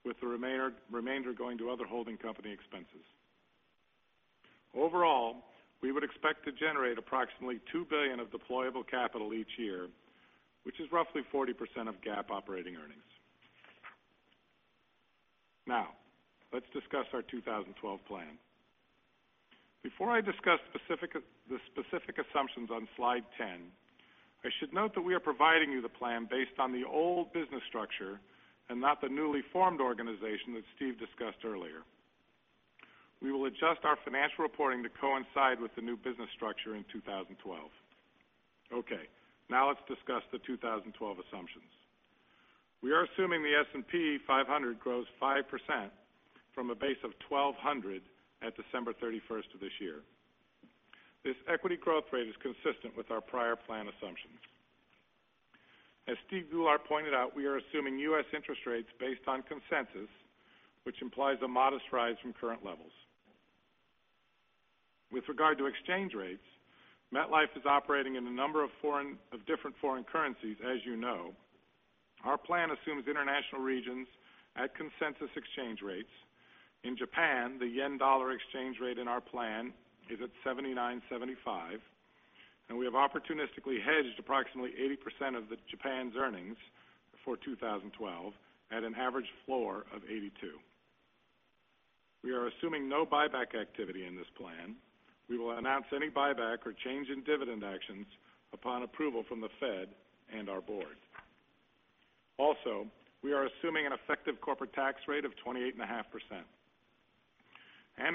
with the remainder going to other holding company expenses. Overall, we would expect to generate approximately $2 billion of deployable capital each year, which is roughly 40% of GAAP operating earnings. Let's discuss our 2012 plan. Before I discuss the specific assumptions on slide 10, I should note that we are providing you the plan based on the old business structure and not the newly formed organization that Steve discussed earlier. We will adjust our financial reporting to coincide with the new business structure in 2012. Let's discuss the 2012 assumptions. We are assuming the S&P 500 grows 5% from a base of 1,200 at December 31st of this year. This equity growth rate is consistent with our prior plan assumptions. As Steve Goulart pointed out, we are assuming U.S. interest rates based on consensus, which implies a modest rise from current levels. With regard to exchange rates, MetLife is operating in a number of different foreign currencies, as you know. Our plan assumes international regions at consensus exchange rates. In Japan, the yen-dollar exchange rate in our plan is at 79.75, and we have opportunistically hedged approximately 80% of Japan's earnings for 2012 at an average floor of 82. We are assuming no buyback activity in this plan. We will announce any buyback or change in dividend actions upon approval from the Fed and our board. We are assuming an effective corporate tax rate of 28.5%.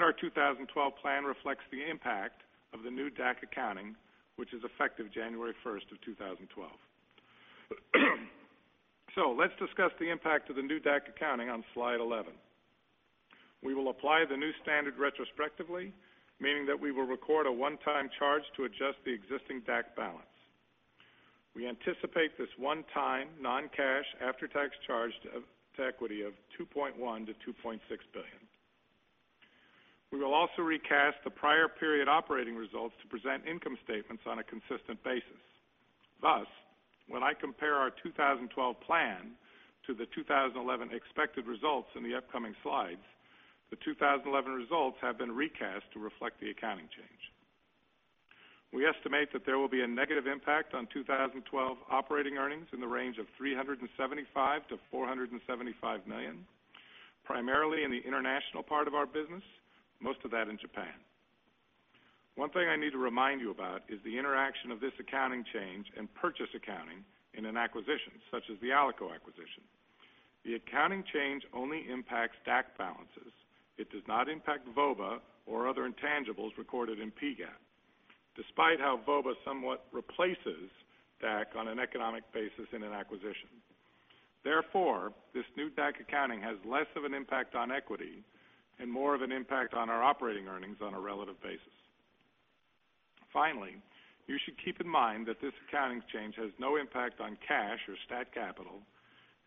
Our 2012 plan reflects the impact of the new DAC accounting, which is effective January 1st, 2012. Let's discuss the impact of the new DAC accounting on slide 11. We will apply the new standard retrospectively, meaning that we will record a one-time charge to adjust the existing DAC balance. We anticipate this one-time, non-cash, after-tax charge to equity of $2.1 billion to $2.6 billion. We will also recast the prior period operating results to present income statements on a consistent basis. Thus, when I compare our 2012 plan to the 2011 expected results in the upcoming slides, the 2011 results have been recast to reflect the accounting change. We estimate that there will be a negative impact on 2012 operating earnings in the range of $375 million to $475 million, primarily in the international part of our business, most of that in Japan. One thing I need to remind you about is the interaction of this accounting change and purchase accounting in an acquisition, such as the ALICO acquisition. The accounting change only impacts DAC balances. It does not impact VOBA or other intangibles recorded in PGAAP, despite how VOBA somewhat replaces DAC on an economic basis in an acquisition. Therefore, this new DAC accounting has less of an impact on equity and more of an impact on our operating earnings on a relative basis. Finally, you should keep in mind that this accounting change has no impact on cash or stat capital,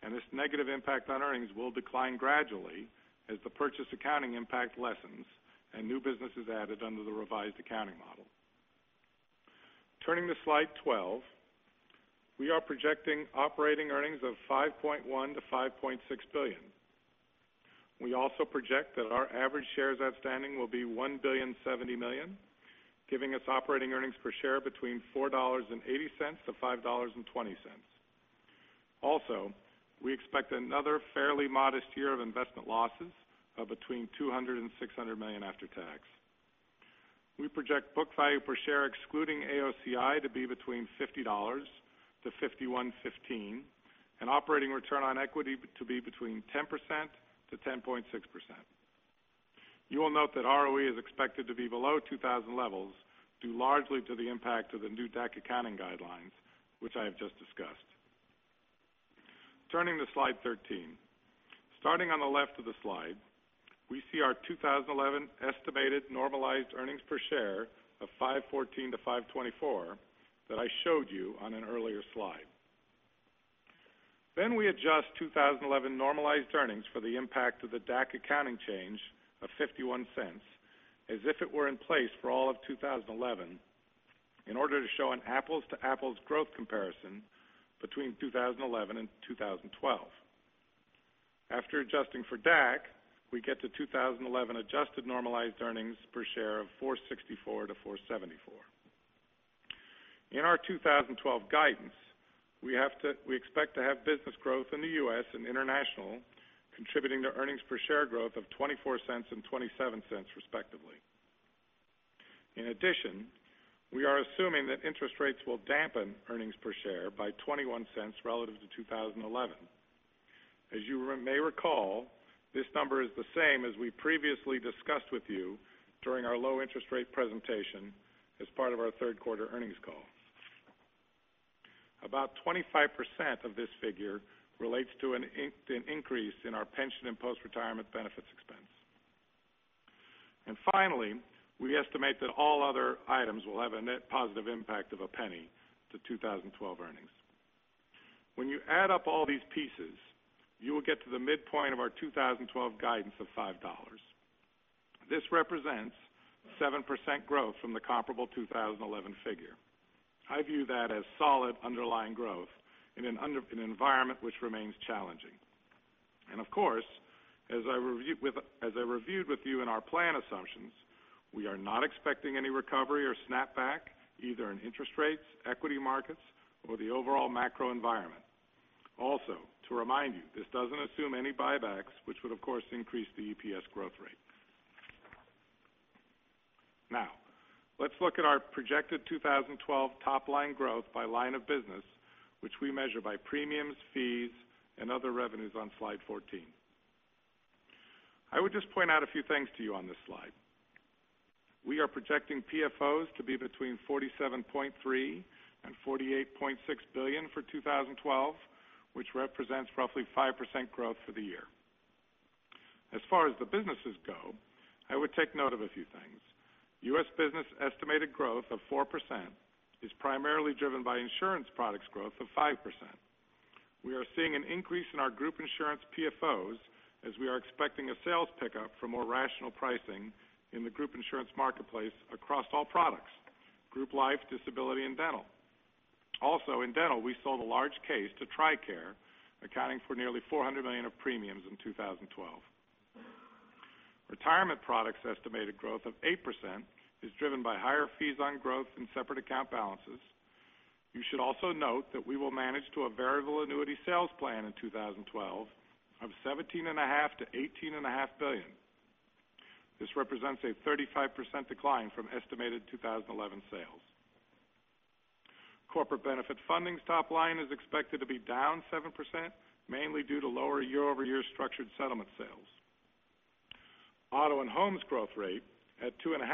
and this negative impact on earnings will decline gradually as the purchase accounting impact lessens and new business is added under the revised accounting model. Turning to slide 12, we are projecting operating earnings of $5.1 billion-$5.6 billion. We also project that our average shares outstanding will be 1.07 billion, giving us operating earnings per share between $4.80-$5.20. Also, we expect another fairly modest year of investment losses of between $200 million and $600 million after tax. We project book value per share excluding AOCI to be between $50-$51.15, and operating return on equity to be between 10%-10.6%. You will note that ROE is expected to be below 2000 levels, due largely to the impact of the new DAC accounting guidelines, which I have just discussed. Turning to slide 13. Starting on the left of the slide, we see our 2011 estimated normalized earnings per share of $5.14-$5.24 that I showed you on an earlier slide. We adjust 2011 normalized earnings for the impact of the DAC accounting change of $0.51, as if it were in place for all of 2011, in order to show an apples-to-apples growth comparison between 2011 and 2012. After adjusting for DAC, we get to 2011 adjusted normalized earnings per share of $4.64-$4.74. In our 2012 guidance, we expect to have business growth in the U.S. and international, contributing to earnings per share growth of $0.24 and $0.27 respectively. In addition, we are assuming that interest rates will dampen earnings per share by $0.21 relative to 2011. As you may recall, this number is the same as we previously discussed with you during our low interest rate presentation as part of our third quarter earnings call. About 25% of this figure relates to an increase in our pension and post-retirement benefits expense. Finally, we estimate that all other items will have a net positive impact of $0.01 to 2012 earnings. When you add up all these pieces, you will get to the midpoint of our 2012 guidance of $5. This represents 7% growth from the comparable 2011 figure. I view that as solid underlying growth in an environment which remains challenging. Of course, as I reviewed with you in our plan assumptions, we are not expecting any recovery or snapback either in interest rates, equity markets, or the overall macro environment. Also, to remind you, this doesn't assume any buybacks, which would of course increase the EPS growth rate. Now, let's look at our projected 2012 top-line growth by line of business, which we measure by Premiums, Fees and Other revenues on slide 14. I would just point out a few things to you on this slide. We are projecting PFOs to be between $47.3 billion and $48.6 billion for 2012, which represents roughly 5% growth for the year. As far as the businesses go, I would take note of a few things. U.S. business estimated growth of 4% is primarily driven by insurance products growth of 5%. We are seeing an increase in our group insurance PFOs as we are expecting a sales pickup for more rational pricing in the group insurance marketplace across all products, group life, disability, and dental. Also, in dental, we sold a large case to TRICARE, accounting for nearly $400 million of premiums in 2012. Retirement products estimated growth of 8% is driven by higher fees on growth in separate account balances. You should also note that we will manage to a variable annuity sales plan in 2012 of $17.5 billion to $18.5 billion. This represents a 35% decline from estimated 2011 sales. Corporate benefit funding's top line is expected to be down 7%, mainly due to lower year-over-year structured settlement sales. Auto and Home growth rate at 2.5%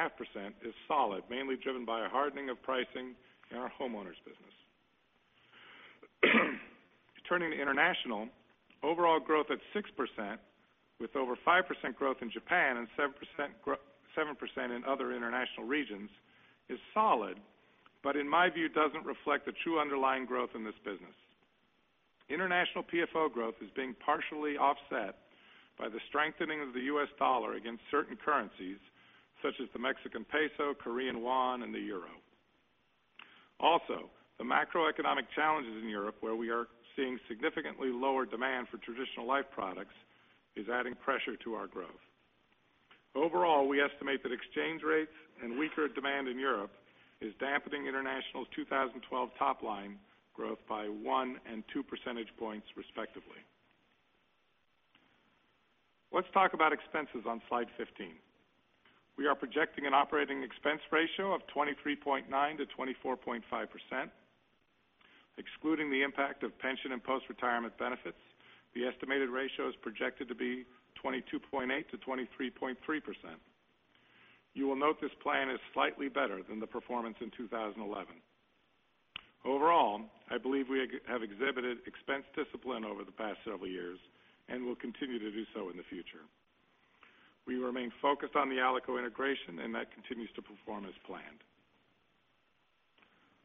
is solid, mainly driven by a hardening of pricing in our homeowners business. Turning to international, overall growth at 6%, with over 5% growth in Japan and 7% in other international regions, is solid, but in my view, doesn't reflect the true underlying growth in this business. International PFO growth is being partially offset by the strengthening of the U.S. dollar against certain currencies, such as the Mexican peso, Korean won, and the euro. Also, the macroeconomic challenges in Europe, where we are seeing significantly lower demand for traditional life products, is adding pressure to our growth. Overall, we estimate that exchange rates and weaker demand in Europe is dampening international's 2012 top-line growth by one and two percentage points respectively. Let's talk about expenses on slide 15. We are projecting an operating expense ratio of 23.9%-24.5%. Excluding the impact of pension and post-retirement benefits, the estimated ratio is projected to be 22.8%-23.3%. You will note this plan is slightly better than the performance in 2011. Overall, I believe we have exhibited expense discipline over the past several years and will continue to do so in the future. We remain focused on the ALICO integration, and that continues to perform as planned.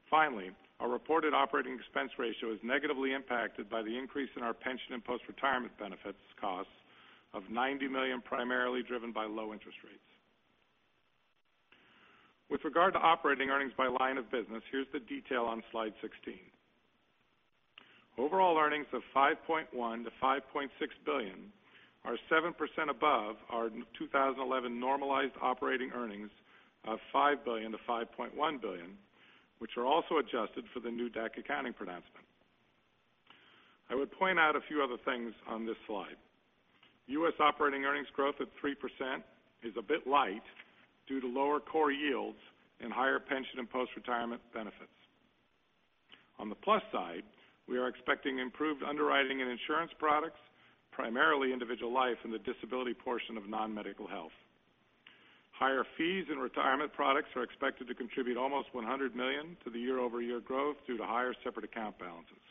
Finally, our reported operating expense ratio is negatively impacted by the increase in our pension and post-retirement benefits costs of $90 million, primarily driven by low interest rates. With regard to operating earnings by line of business, here's the detail on slide 16. Overall earnings of $5.1 billion to $5.6 billion are 7% above our 2011 normalized operating earnings of $5 billion to $5.1 billion, which are also adjusted for the new DAC accounting pronouncement. I would point out a few other things on this slide. U.S. operating earnings growth at 3% is a bit light due to lower core yields and higher pension and post-retirement benefits. On the plus side, we are expecting improved underwriting in insurance products, primarily individual life and the disability portion of non-medical health. Higher fees in retirement products are expected to contribute almost $100 million to the year-over-year growth due to higher separate account balances.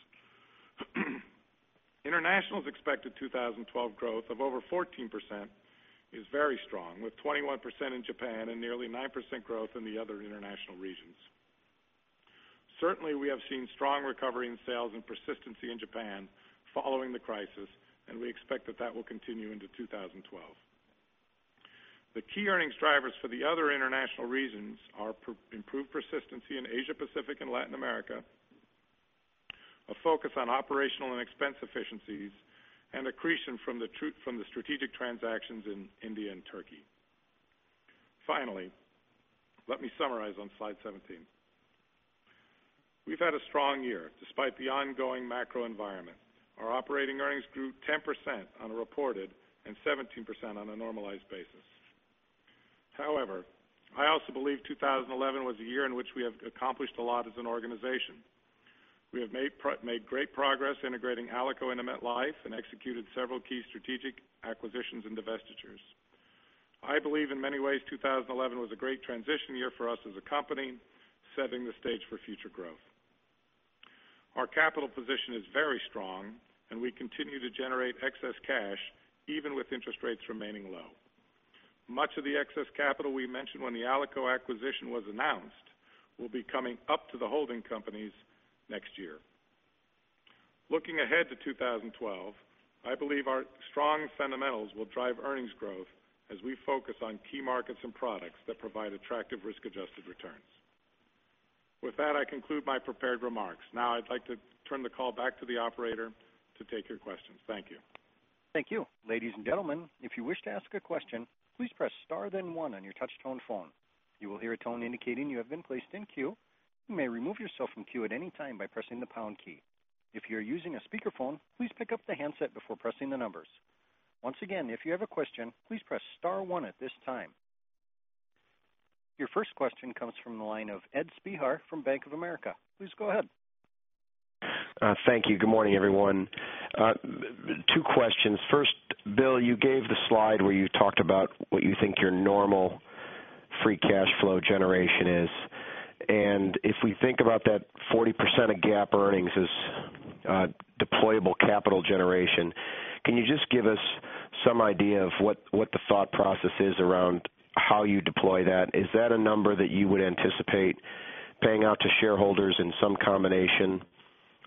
International's expected 2012 growth of over 14% is very strong, with 21% in Japan and nearly 9% growth in the other international regions. Certainly, we have seen strong recovery in sales and persistency in Japan following the crisis, and we expect that that will continue into 2012. The key earnings drivers for the other international regions are improved persistency in Asia Pacific and Latin America, a focus on operational and expense efficiencies, and accretion from the strategic transactions in India and Turkey. Finally, let me summarize on slide 17. We've had a strong year despite the ongoing macro environment. Our operating earnings grew 10% on a reported and 17% on a normalized basis. I also believe 2011 was a year in which we have accomplished a lot as an organization. We have made great progress integrating ALICO into MetLife and executed several key strategic acquisitions and divestitures. I believe in many ways, 2011 was a great transition year for us as a company, setting the stage for future growth. Our capital position is very strong, and we continue to generate excess cash even with interest rates remaining low. Much of the excess capital we mentioned when the ALICO acquisition was announced will be coming up to the holding companies next year. Looking ahead to 2012, I believe our strong fundamentals will drive earnings growth as we focus on key markets and products that provide attractive risk-adjusted returns. With that, I conclude my prepared remarks. I'd like to turn the call back to the operator to take your questions. Thank you. Thank you. Ladies and gentlemen, if you wish to ask a question, please press star then one on your touch tone phone. You will hear a tone indicating you have been placed in queue. You may remove yourself from queue at any time by pressing the pound key. If you are using a speakerphone, please pick up the handset before pressing the numbers. Once again, if you have a question, please press star one at this time. Your first question comes from the line of Edward Spehar from Bank of America. Please go ahead. Thank you. Good morning, everyone. Two questions. First, Bill, you gave the slide where you talked about what you think your normal free cash flow generation is, and if we think about that 40% of GAAP earnings as deployable capital generation, can you just give us some idea of what the thought process is around how you deploy that? Is that a number that you would anticipate paying out to shareholders in some combination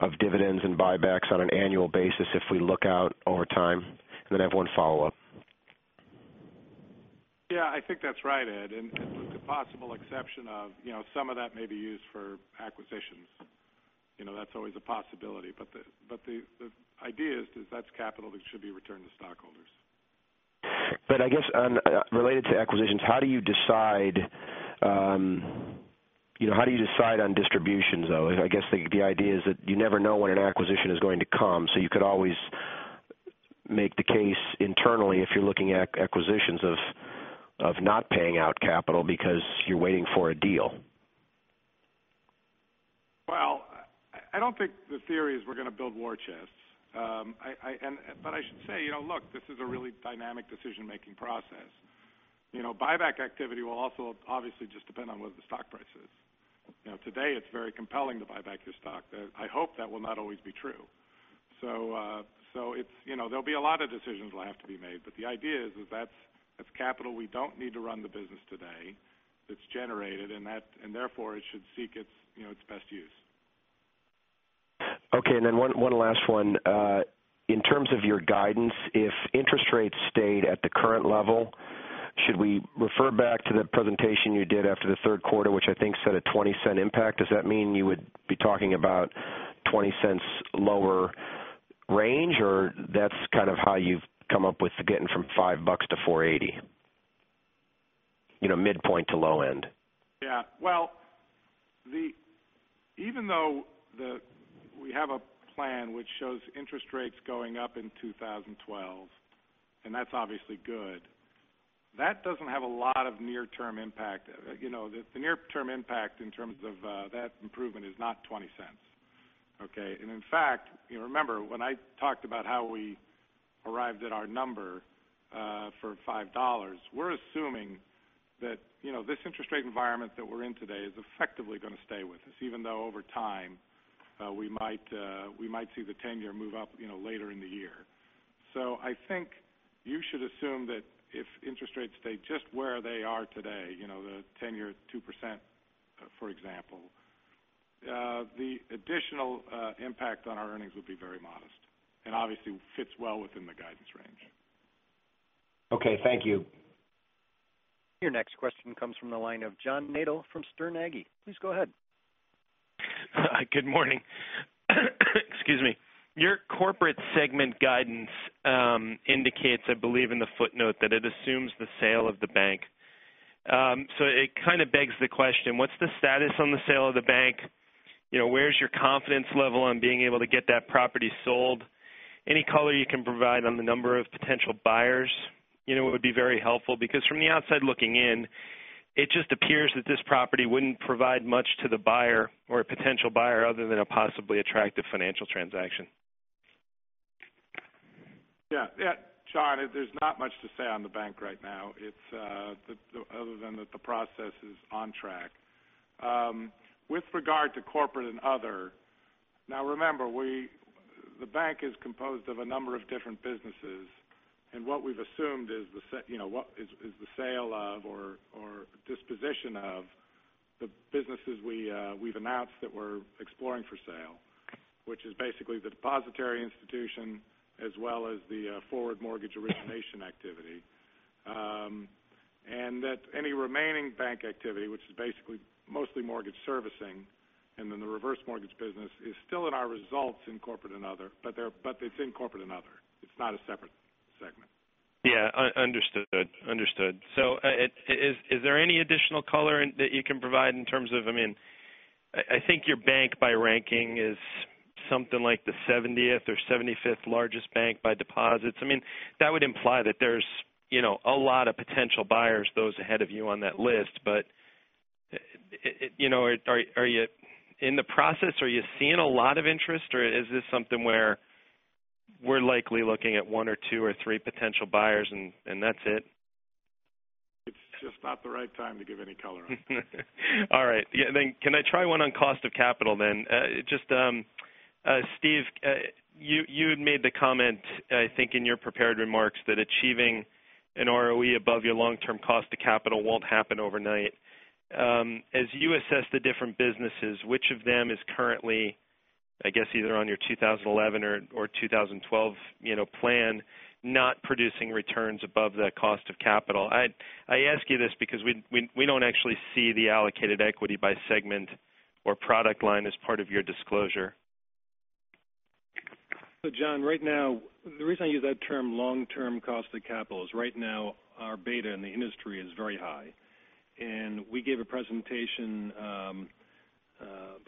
of dividends and buybacks on an annual basis if we look out over time? I have one follow-up. I think that's right, Ed, with the possible exception of some of that may be used for acquisitions. That's always a possibility. The idea is that's capital that should be returned to stockholders. I guess, related to acquisitions, how do you decide on distributions, though? I guess the idea is that you never know when an acquisition is going to come, so you could always make the case internally if you're looking at acquisitions of not paying out capital because you're waiting for a deal. Well, I don't think the theory is we're going to build war chests. I should say, look, this is a really dynamic decision-making process. Buyback activity will also obviously just depend on what the stock price is. Today it's very compelling to buy back your stock. I hope that will not always be true. There'll be a lot of decisions that will have to be made. The idea is that's capital we don't need to run the business today that's generated, therefore it should seek its best use. Okay, then one last one. In terms of your guidance, if interest rates stayed at the current level, should we refer back to the presentation you did after the third quarter, which I think said a $0.20 impact? Does that mean you would be talking about $0.20 lower range, or that's kind of how you've come up with getting from $5 to $4.80? Midpoint to low end. Yeah. Even though we have a plan which shows interest rates going up in 2012, that's obviously good, that doesn't have a lot of near-term impact. The near-term impact in terms of that improvement is not $0.20. Okay? In fact, remember when I talked about how we arrived at our number for $5, we're assuming that this interest rate environment that we're in today is effectively going to stay with us, even though over time we might see the 10-year move up later in the year. I think you should assume that if interest rates stay just where they are today, the 10-year 2%, for example, the additional impact on our earnings would be very modest and obviously fits well within the guidance range. Okay, thank you. Your next question comes from the line of John Nadel from Sterne Agee. Please go ahead. Good morning. Excuse me. Your Corporate Segment guidance indicates, I believe in the footnote, that it assumes the sale of the bank. It kind of begs the question, what's the status on the sale of the bank? Where's your confidence level on being able to get that property sold? Any color you can provide on the number of potential buyers would be very helpful because from the outside looking in, it just appears that this property wouldn't provide much to the buyer or a potential buyer other than a possibly attractive financial transaction. Yeah. John, there's not much to say on the bank right now, other than that the process is on track. With regard to corporate and other Remember, the bank is composed of a number of different businesses, and what we've assumed is the sale of or disposition of the businesses we've announced that we're exploring for sale, which is basically the depository institution as well as the forward mortgage origination activity. Any remaining bank activity, which is basically mostly mortgage servicing, and then the reverse mortgage business is still in our results in Corporate and Other. It's in Corporate and Other. It's not a separate segment. Yeah. Understood. Is there any additional color that you can provide? I think your bank by ranking is something like the 70th or 75th largest bank by deposits. That would imply that there's a lot of potential buyers, those ahead of you on that list. Are you in the process? Are you seeing a lot of interest? Or is this something where we're likely looking at one or two or three potential buyers and that's it? It's just not the right time to give any color on that. All right. Can I try one on cost of capital then? Steve, you had made the comment, I think in your prepared remarks, that achieving an ROE above your long-term cost of capital won't happen overnight. As you assess the different businesses, which of them is currently, I guess, either on your 2011 or 2012 plan not producing returns above that cost of capital? I ask you this because we don't actually see the allocated equity by segment or product line as part of your disclosure. John, right now, the reason I use that term long-term cost of capital is right now our beta in the industry is very high. We gave a presentation about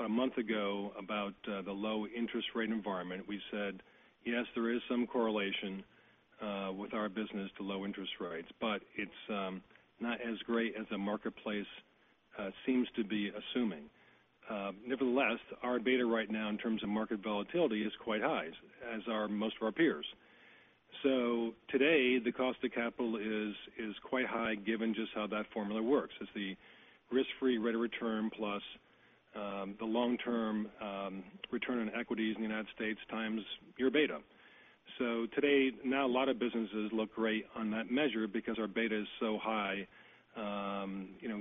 a month ago about the low interest rate environment. We said, yes, there is some correlation with our business to low interest rates, but it's not as great as the marketplace seems to be assuming. Nevertheless, our beta right now in terms of market volatility is quite high, as are most of our peers. Today, the cost of capital is quite high given just how that formula works. It's the risk-free rate of return plus the long-term return on equities in the U.S. times your beta. Today, not a lot of businesses look great on that measure because our beta is so high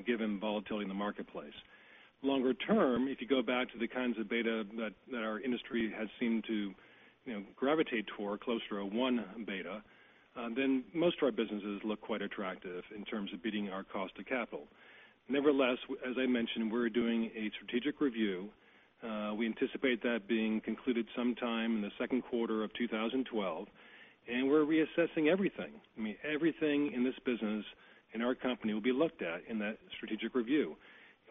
given volatility in the marketplace. Longer term, if you go back to the kinds of beta that our industry has seemed to gravitate toward, closer to a one beta, then most of our businesses look quite attractive in terms of beating our cost of capital. Nevertheless, as I mentioned, we're doing a strategic review. We anticipate that being concluded sometime in the second quarter of 2012, we're reassessing everything. Everything in this business in our company will be looked at in that strategic review.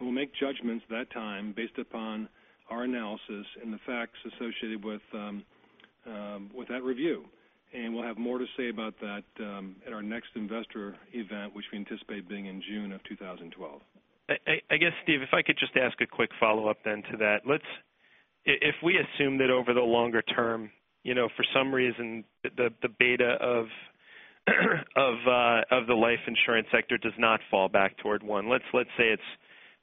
We'll make judgments at that time based upon our analysis and the facts associated with that review. We'll have more to say about that at our next investor event, which we anticipate being in June of 2012. I guess, Steve, if I could just ask a quick follow-up then to that. If we assume that over the longer term, for some reason, the beta of the life insurance sector does not fall back toward one. Let's say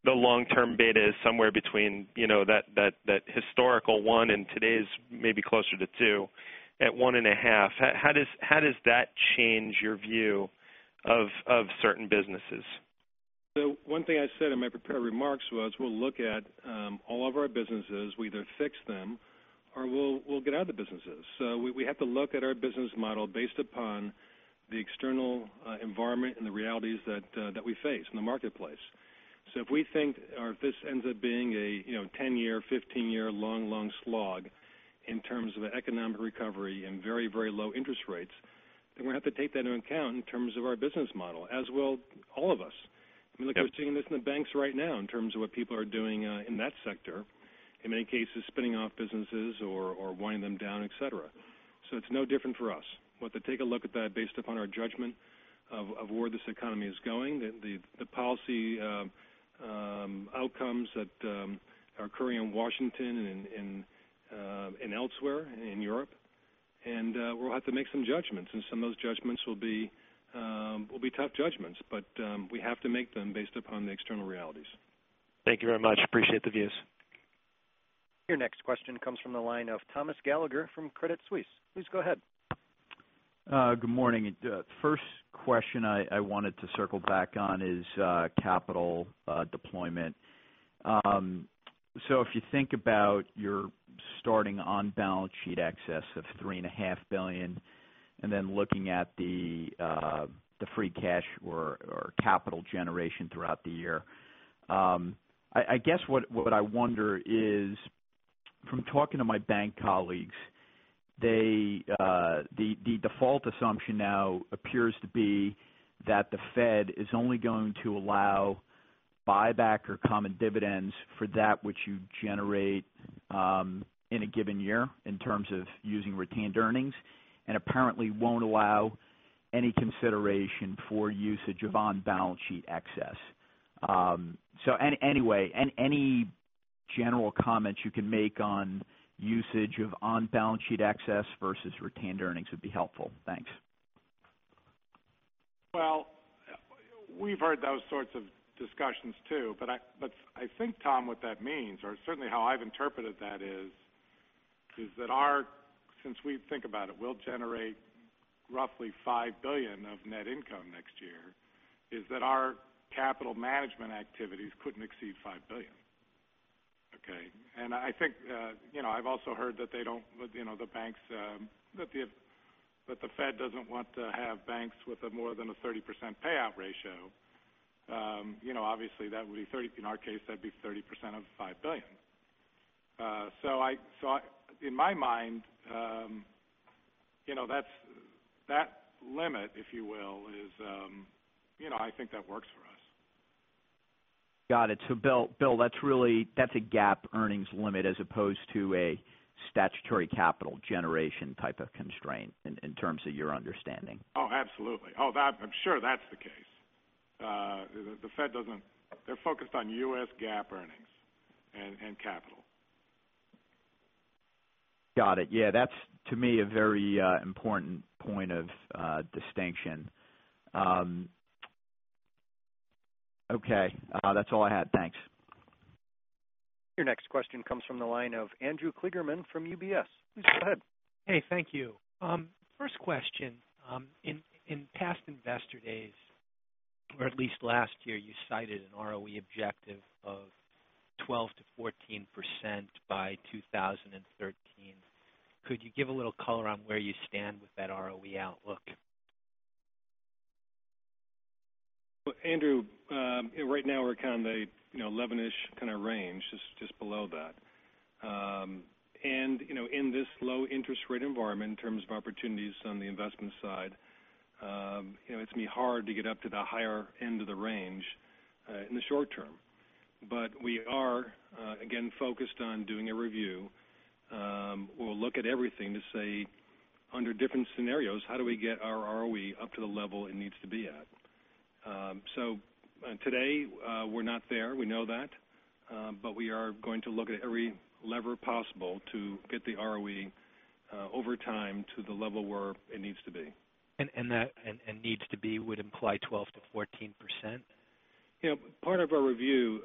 the long-term beta is somewhere between that historical one and today's maybe closer to two at one and a half. How does that change your view of certain businesses? One thing I said in my prepared remarks was we'll look at all of our businesses. We either fix them or we'll get out of the businesses. We have to look at our business model based upon the external environment and the realities that we face in the marketplace. If we think this ends up being a 10-year, 15-year long, long slog in terms of economic recovery and very, very low interest rates, we have to take that into account in terms of our business model, as will all of us. Yeah. Look, we're seeing this in the banks right now in terms of what people are doing in that sector. In many cases, spinning off businesses or winding them down, et cetera. It's no different for us. We'll have to take a look at that based upon our judgment of where this economy is going, the policy outcomes that are occurring in Washington and elsewhere in Europe. We'll have to make some judgments, and some of those judgments will be tough judgments. We have to make them based upon the external realities. Thank you very much. Appreciate the views. Your next question comes from the line of Thomas Gallagher from Credit Suisse. Please go ahead. Good morning. First question I wanted to circle back on is capital deployment. If you think about your starting on-balance sheet excess of three and a half billion, and then looking at the free cash or capital generation throughout the year. I guess what I wonder is from talking to my bank colleagues, the default assumption now appears to be that the Fed is only going to allow buyback or common dividends for that which you generate in a given year in terms of using retained earnings. Apparently won't allow any consideration for usage of on-balance sheet excess. Anyway, any general comments you can make on usage of on-balance sheet excess versus retained earnings would be helpful. Thanks. Well, we've heard those sorts of discussions too, but I think, Thomas, what that means, or certainly how I've interpreted that is, since we think about it, we'll generate roughly $5 billion of net income next year, is that our capital management activities couldn't exceed $5 billion. Okay. I've also heard that the Fed doesn't want to have banks with more than a 30% payout ratio. Obviously, in our case, that'd be 30% of $5 billion. In my mind, that limit, if you will, I think that works for us. Got it. Bill, that's a GAAP earnings limit as opposed to a statutory capital generation type of constraint in terms of your understanding. Oh, absolutely. Oh, I'm sure that's the case. The Fed, they're focused on U.S. GAAP earnings and capital. Got it. Yeah. That's, to me, a very important point of distinction. Okay. That's all I had. Thanks. Your next question comes from the line of Andrew Kligerman from UBS. Please go ahead. Hey, thank you. First question. In past investor days, or at least last year, you cited an ROE objective of 12%-14% by 2013. Could you give a little color on where you stand with that ROE outlook? Andrew, right now we're kind of in the 11-ish kind of range, just below that. In this low interest rate environment in terms of opportunities on the investment side, it's going to be hard to get up to the higher end of the range in the short term. We are, again, focused on doing a review. We'll look at everything to say under different scenarios, how do we get our ROE up to the level it needs to be at? Today, we're not there. We know that. We are going to look at every lever possible to get the ROE over time to the level where it needs to be. needs to be would imply 12%-14%? Part of our review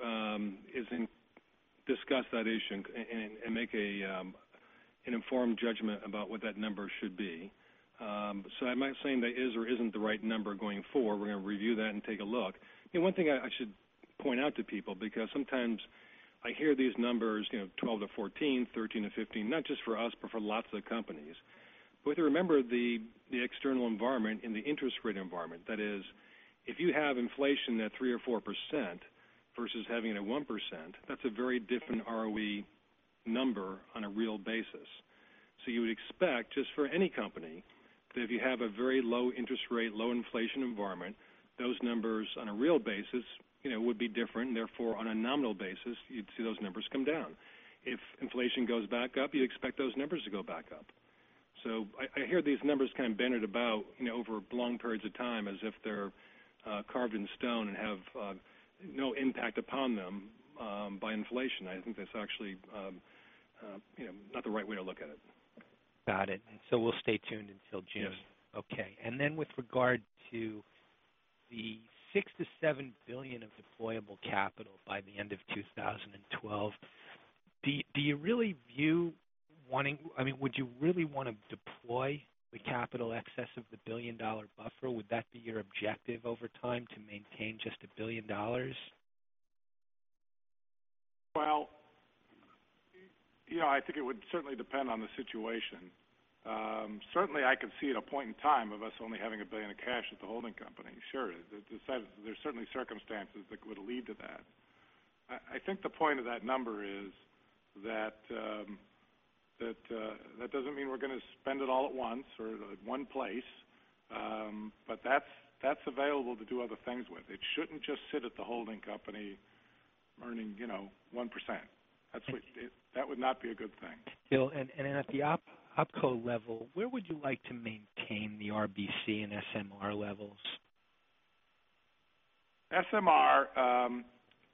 is discuss that issue and make an informed judgment about what that number should be. I'm not saying that is or isn't the right number going forward. We're going to review that and take a look. One thing I should point out to people, because sometimes I hear these numbers, 12-14, 13-15, not just for us, but for lots of companies. We have to remember the external environment and the interest rate environment. That is, if you have inflation at 3% or 4% versus having it at 1%, that's a very different ROE number on a real basis. You would expect, just for any company, that if you have a very low interest rate, low inflation environment, those numbers on a real basis would be different, therefore, on a nominal basis, you'd see those numbers come down. If inflation goes back up, you'd expect those numbers to go back up. I hear these numbers kind of bandied about over long periods of time as if they're carved in stone and have no impact upon them by inflation. I think that's actually not the right way to look at it. Got it. We'll stay tuned until June. Yes. Okay. With regard to the $6 billion to $7 billion of deployable capital by the end of 2012, would you really want to deploy the capital excess of the billion-dollar buffer? Would that be your objective over time to maintain just a billion dollars? Well, I think it would certainly depend on the situation. Certainly, I could see at a point in time of us only having $1 billion of cash at the holding company. Sure. There's certainly circumstances that would lead to that. I think the point of that number is that that doesn't mean we're going to spend it all at once or at one place. That's available to do other things with. It shouldn't just sit at the holding company earning 1%. That would not be a good thing. Bill, at the opco level, where would you like to maintain the RBC and SMR levels? SMR,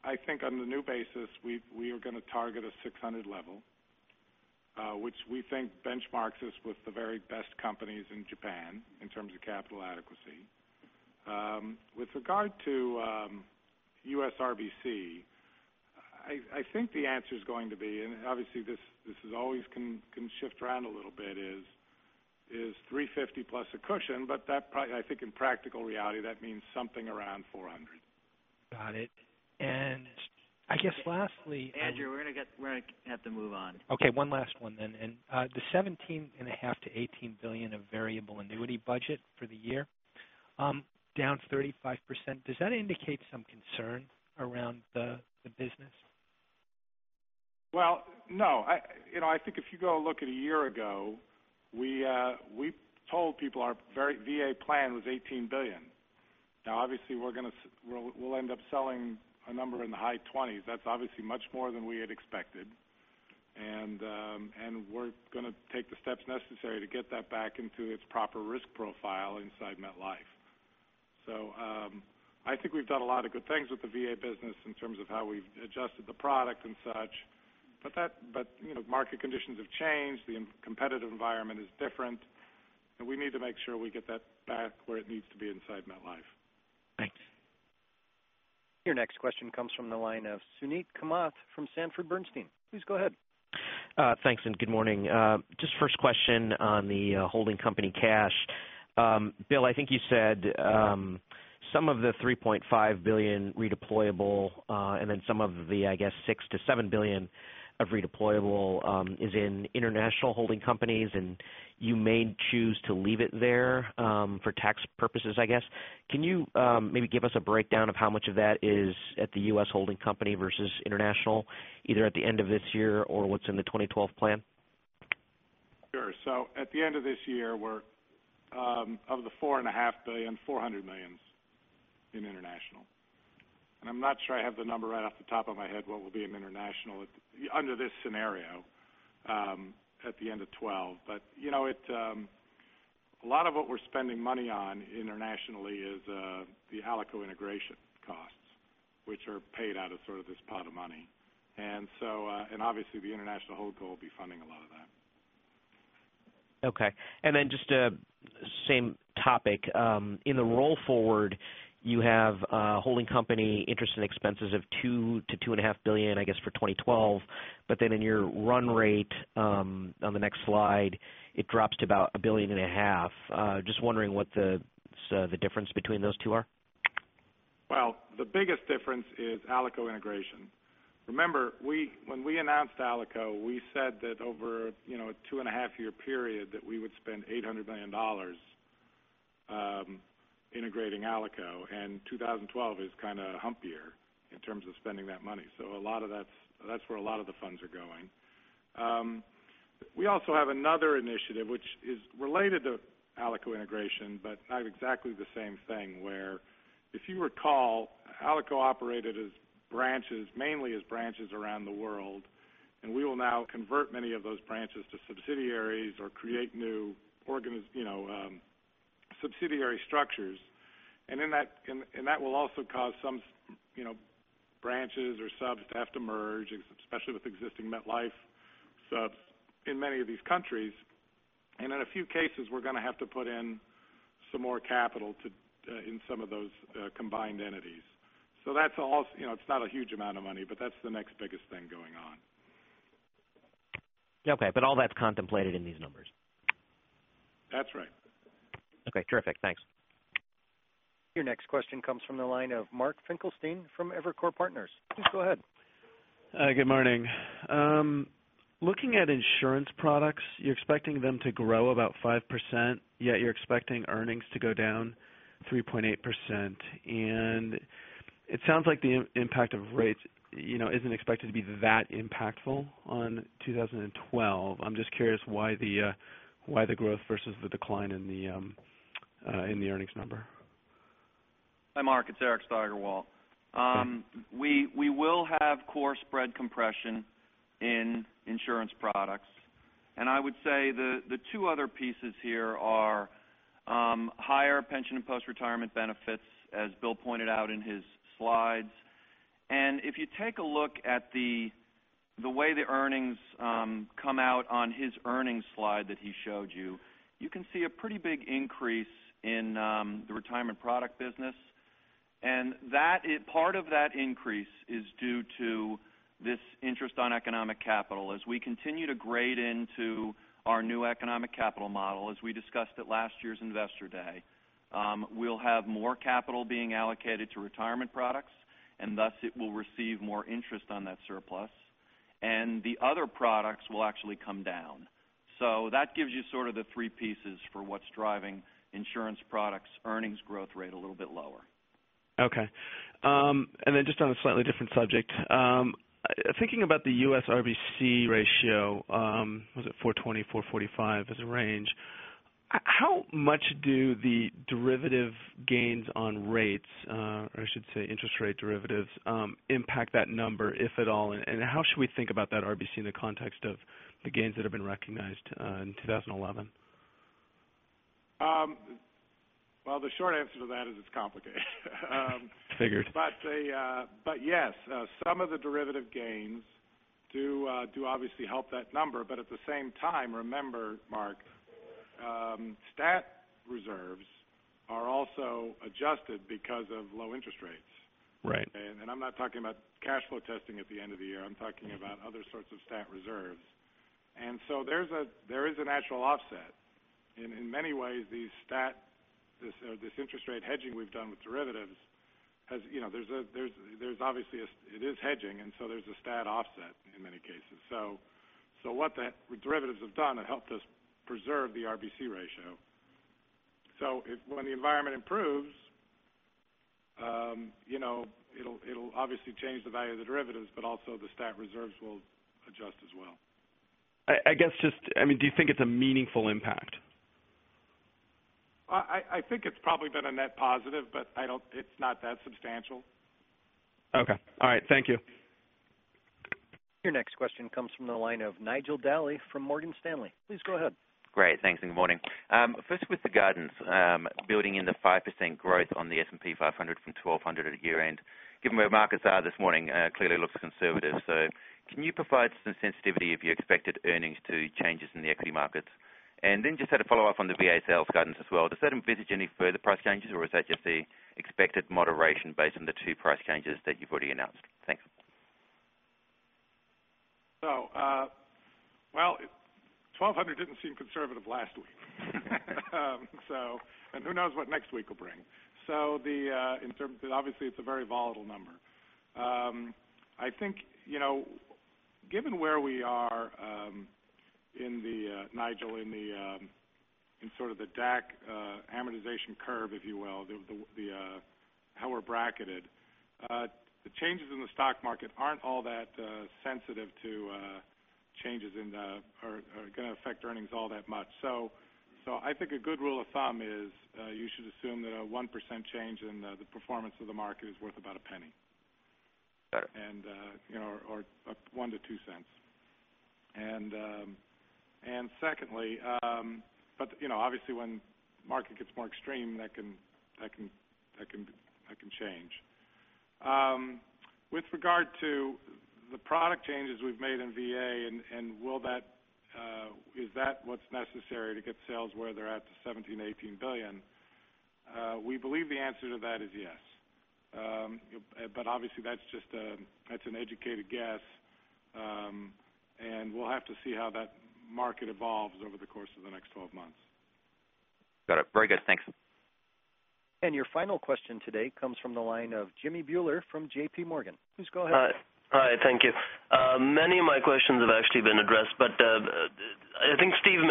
I think on the new basis, we are going to target a 600 level, which we think benchmarks us with the very best companies in Japan in terms of capital adequacy. With regard to U.S. RBC, I think the answer is going to be, and obviously this always can shift around a little bit, is 350 plus a cushion, but I think in practical reality, that means something around 400. Got it. I guess lastly. Andrew, we're going to have to move on. Okay, one last one then. The $17.5 billion-$18 billion of variable annuity budget for the year, down 35%. Does that indicate some concern around the business? Well, no. I think if you go look at a year ago, we told people our VA plan was $18 billion. Now, obviously, we'll end up selling a number in the high 20s. That's obviously much more than we had expected. We're going to take the steps necessary to get that back into its proper risk profile inside MetLife. I think we've done a lot of good things with the VA business in terms of how we've adjusted the product and such. Market conditions have changed. The competitive environment is different, and we need to make sure we get that back where it needs to be inside MetLife. Thanks. Your next question comes from the line of Suneet Kamath from Sanford Bernstein. Please go ahead. Thanks. Good morning. First question on the holding company cash. Bill, I think you said some of the $3.5 billion redeployable, then some of the, I guess, $6 billion-$7 billion of redeployable is in international holding companies, and you may choose to leave it there for tax purposes, I guess. Can you maybe give us a breakdown of how much of that is at the U.S. holding company versus international, either at the end of this year or what's in the 2012 plan? Sure. At the end of this year, of the $4.5 billion, $400 million is in international. I'm not sure I have the number right off the top of my head, what will be in international under this scenario, at the end of 2012. A lot of what we're spending money on internationally is the ALICO integration costs, which are paid out of this pot of money. Obviously the international holdco will be funding a lot of that. Okay. Just same topic. In the roll forward, you have holding company interest and expenses of $2 billion-$2.5 billion, I guess, for 2012. In your run rate on the next slide, it drops to about a billion and a half. Wondering what the difference between those two are. Well, the biggest difference is ALICO integration. Remember, when we announced ALICO, we said that over a two and a half year period, that we would spend $800 million integrating ALICO, and 2012 is kind of a hump year in terms of spending that money. That's where a lot of the funds are going. We also have another initiative which is related to ALICO integration, but not exactly the same thing, where if you recall, ALICO operated as branches, mainly as branches around the world, and we will now convert many of those branches to subsidiaries or create new subsidiary structures. That will also cause some branches or subs to have to merge, especially with existing MetLife subs in many of these countries. In a few cases, we're going to have to put in some more capital in some of those combined entities. It's not a huge amount of money, that's the next biggest thing going on. Okay. All that's contemplated in these numbers. That's right. Okay, terrific. Thanks. Your next question comes from the line of Mark Finkelstein from Evercore Partners. Please go ahead. Good morning. Looking at insurance products, you're expecting them to grow about 5%, yet you're expecting earnings to go down 3.8%. It sounds like the impact of rates isn't expected to be that impactful on 2012. I'm just curious why the growth versus the decline in the earnings number. Hi, Mark, it's Eric Steigerwalt. Sure. We will have core spread compression in insurance products. I would say the two other pieces here are higher pension and post-retirement benefits, as Bill pointed out in his slides. If you take a look at the way the earnings come out on his earnings slide that he showed you can see a pretty big increase in the retirement product business. Part of that increase is due to this interest on economic capital. As we continue to grade into our new economic capital model, as we discussed at last year's Investor Day, we will have more capital being allocated to retirement products, and thus it will receive more interest on that surplus. The other products will actually come down. That gives you sort of the three pieces for what's driving insurance products earnings growth rate a little bit lower. Okay. Then just on a slightly different subject, thinking about the U.S. RBC ratio, was it 420, 445 as a range? How much do the derivative gains on rates, or I should say interest rate derivatives impact that number, if at all, and how should we think about that RBC in the context of the gains that have been recognized in 2011? Well, the short answer to that is it's complicated. Figured. Yes, some of the derivative gains do obviously help that number. At the same time, remember, Mark, stat reserves are also adjusted because of low interest rates. Right. I'm not talking about cash flow testing at the end of the year. I'm talking about other sorts of stat reserves. There is a natural offset. In many ways, this interest rate hedging we've done with derivatives has, obviously it is hedging, and so there's a stat offset in many cases. What the derivatives have done, it helped us preserve the RBC ratio. When the environment improves, it'll obviously change the value of the derivatives, but also the stat reserves will adjust as well. I guess just, do you think it's a meaningful impact? I think it's probably been a net positive, but it's not that substantial. Okay. All right. Thank you. Your next question comes from the line of Nigel Dally from Morgan Stanley. Please go ahead. Great. Thanks, and good morning. First with the guidance, building in the 5% growth on the S&P 500 from 1,200 at year-end, given where markets are this morning, clearly looks conservative. Can you provide some sensitivity of your expected earnings to changes in the equity markets? Just had a follow-up on the VA sales guidance as well. Does that envisage any further price changes or is that just the expected moderation based on the two price changes that you've already announced? Thanks. Well, 1,200 didn't seem conservative last week. Who knows what next week will bring. Obviously, it's a very volatile number. I think, given where we are, Nigel, in sort of the DAC amortization curve, if you will, how we're bracketed, the changes in the stock market aren't all that sensitive to or are going to affect earnings all that much. I think a good rule of thumb is you should assume that a 1% change in the performance of the market is worth about $0.01. Got it. $0.01 to $0.02. Obviously when the market gets more extreme, that can change. With regard to the product changes we've made in VA, is that what's necessary to get sales where they're at to $17 billion-$18 billion, we believe the answer to that is yes. Obviously, that's an educated guess, and we'll have to see how that market evolves over the course of the next 12 months. Got it. Very good. Thanks. Your final question today comes from the line of Jimmy Bhullar from J.P. Morgan. Please go ahead. Hi. Thank you. Many of my questions have actually been addressed. I think, Steve, you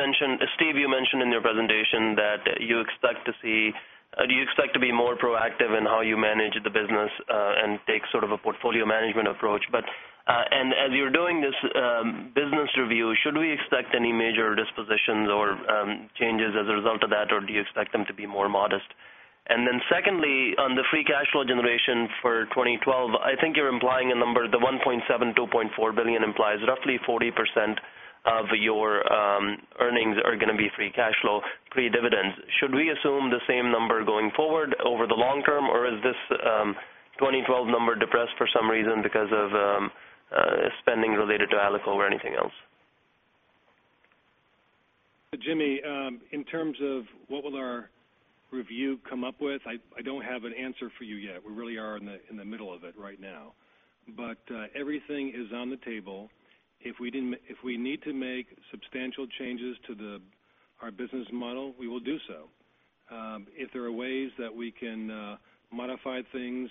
mentioned in your presentation that you expect to be more proactive in how you manage the business and take sort of a portfolio management approach. As you're doing this business review, should we expect any major dispositions or changes as a result of that, or do you expect them to be more modest? Secondly, on the free cash flow generation for 2012, I think you're implying a number, the $1.7 billion-$2.4 billion implies roughly 40% of your earnings are going to be free cash flow pre-dividends. Should we assume the same number going forward over the long term, or is this 2012 number depressed for some reason because of spending related to ALICO or anything else? Jimmy, in terms of what will our review come up with, I don't have an answer for you yet. We really are in the middle of it right now. Everything is on the table. If we need to make substantial changes to our business model, we will do so. If there are ways that we can modify things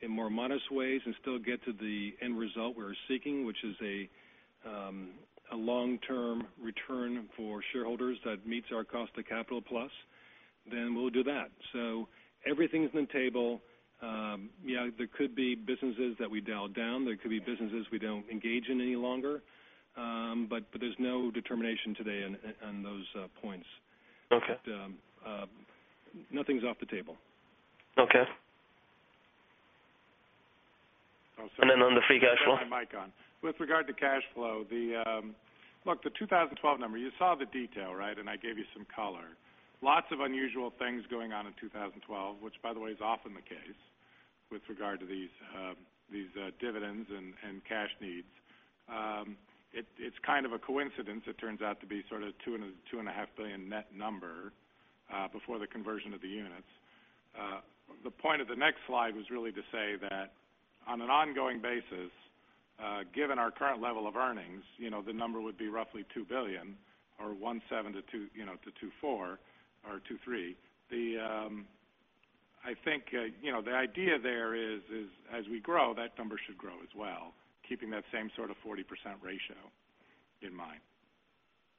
in more modest ways and still get to the end result we're seeking, which is a long-term return for shareholders that meets our cost of capital plus, we'll do that. Everything's on the table. Yeah, there could be businesses that we dial down. There could be businesses we don't engage in any longer. But there's no determination today on those points. Okay. Nothing's off the table. Okay. Then on the free cash flow? I'll turn my mic on. With regard to cash flow, look, the 2012 number, you saw the detail, right? I gave you some color. Lots of unusual things going on in 2012, which by the way, is often the case with regard to these dividends and cash needs. It's kind of a coincidence. It turns out to be sort of a $2.5 billion net number before the conversion of the units. The point of the next slide was really to say that on an ongoing basis, given our current level of earnings, the number would be roughly $2 billion or $1.7 billion-$2.4 billion or $2.3 billion. I think the idea there is, as we grow, that number should grow as well, keeping that same sort of 40% ratio in mind.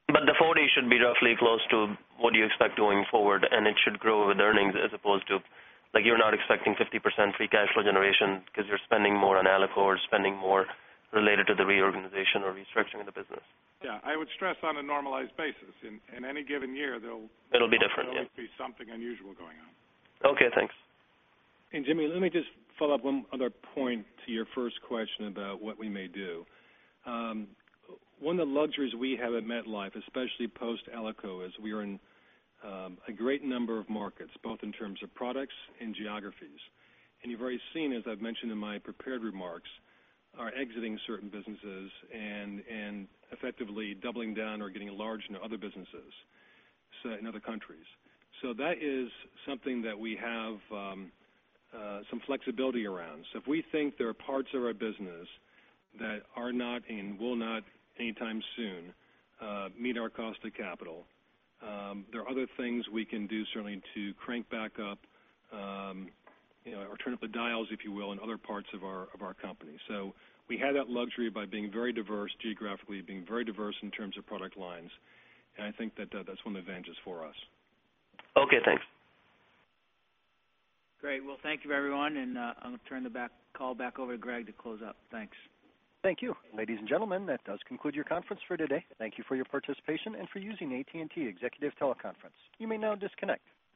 The 40 should be roughly close to what you expect going forward, and it should grow with earnings as opposed to you're not expecting 50% free cash flow generation because you're spending more on ALICO or spending more related to the reorganization or restructuring of the business. Yeah, I would stress on a normalized basis. In any given year, It'll be different, yeah. There'll always be something unusual going on. Okay, thanks. Jimmy, let me just follow up one other point to your first question about what we may do. One of the luxuries we have at MetLife, especially post ALICO, is we are in a great number of markets, both in terms of products and geographies. You've already seen, as I've mentioned in my prepared remarks, our exiting certain businesses and effectively doubling down or getting large into other businesses in other countries. That is something that we have some flexibility around. If we think there are parts of our business that are not and will not anytime soon meet our cost of capital, there are other things we can do certainly to crank back up or turn up the dials, if you will, in other parts of our company. We have that luxury by being very diverse geographically, being very diverse in terms of product lines, and I think that that's one advantage for us. Okay, thanks. Great. Well, thank you, everyone, I'm going to turn the call back over to Greg to close out. Thanks. Thank you. Ladies and gentlemen, that does conclude your conference for today. Thank you for your participation and for using AT&T TeleConference Services. You may now disconnect.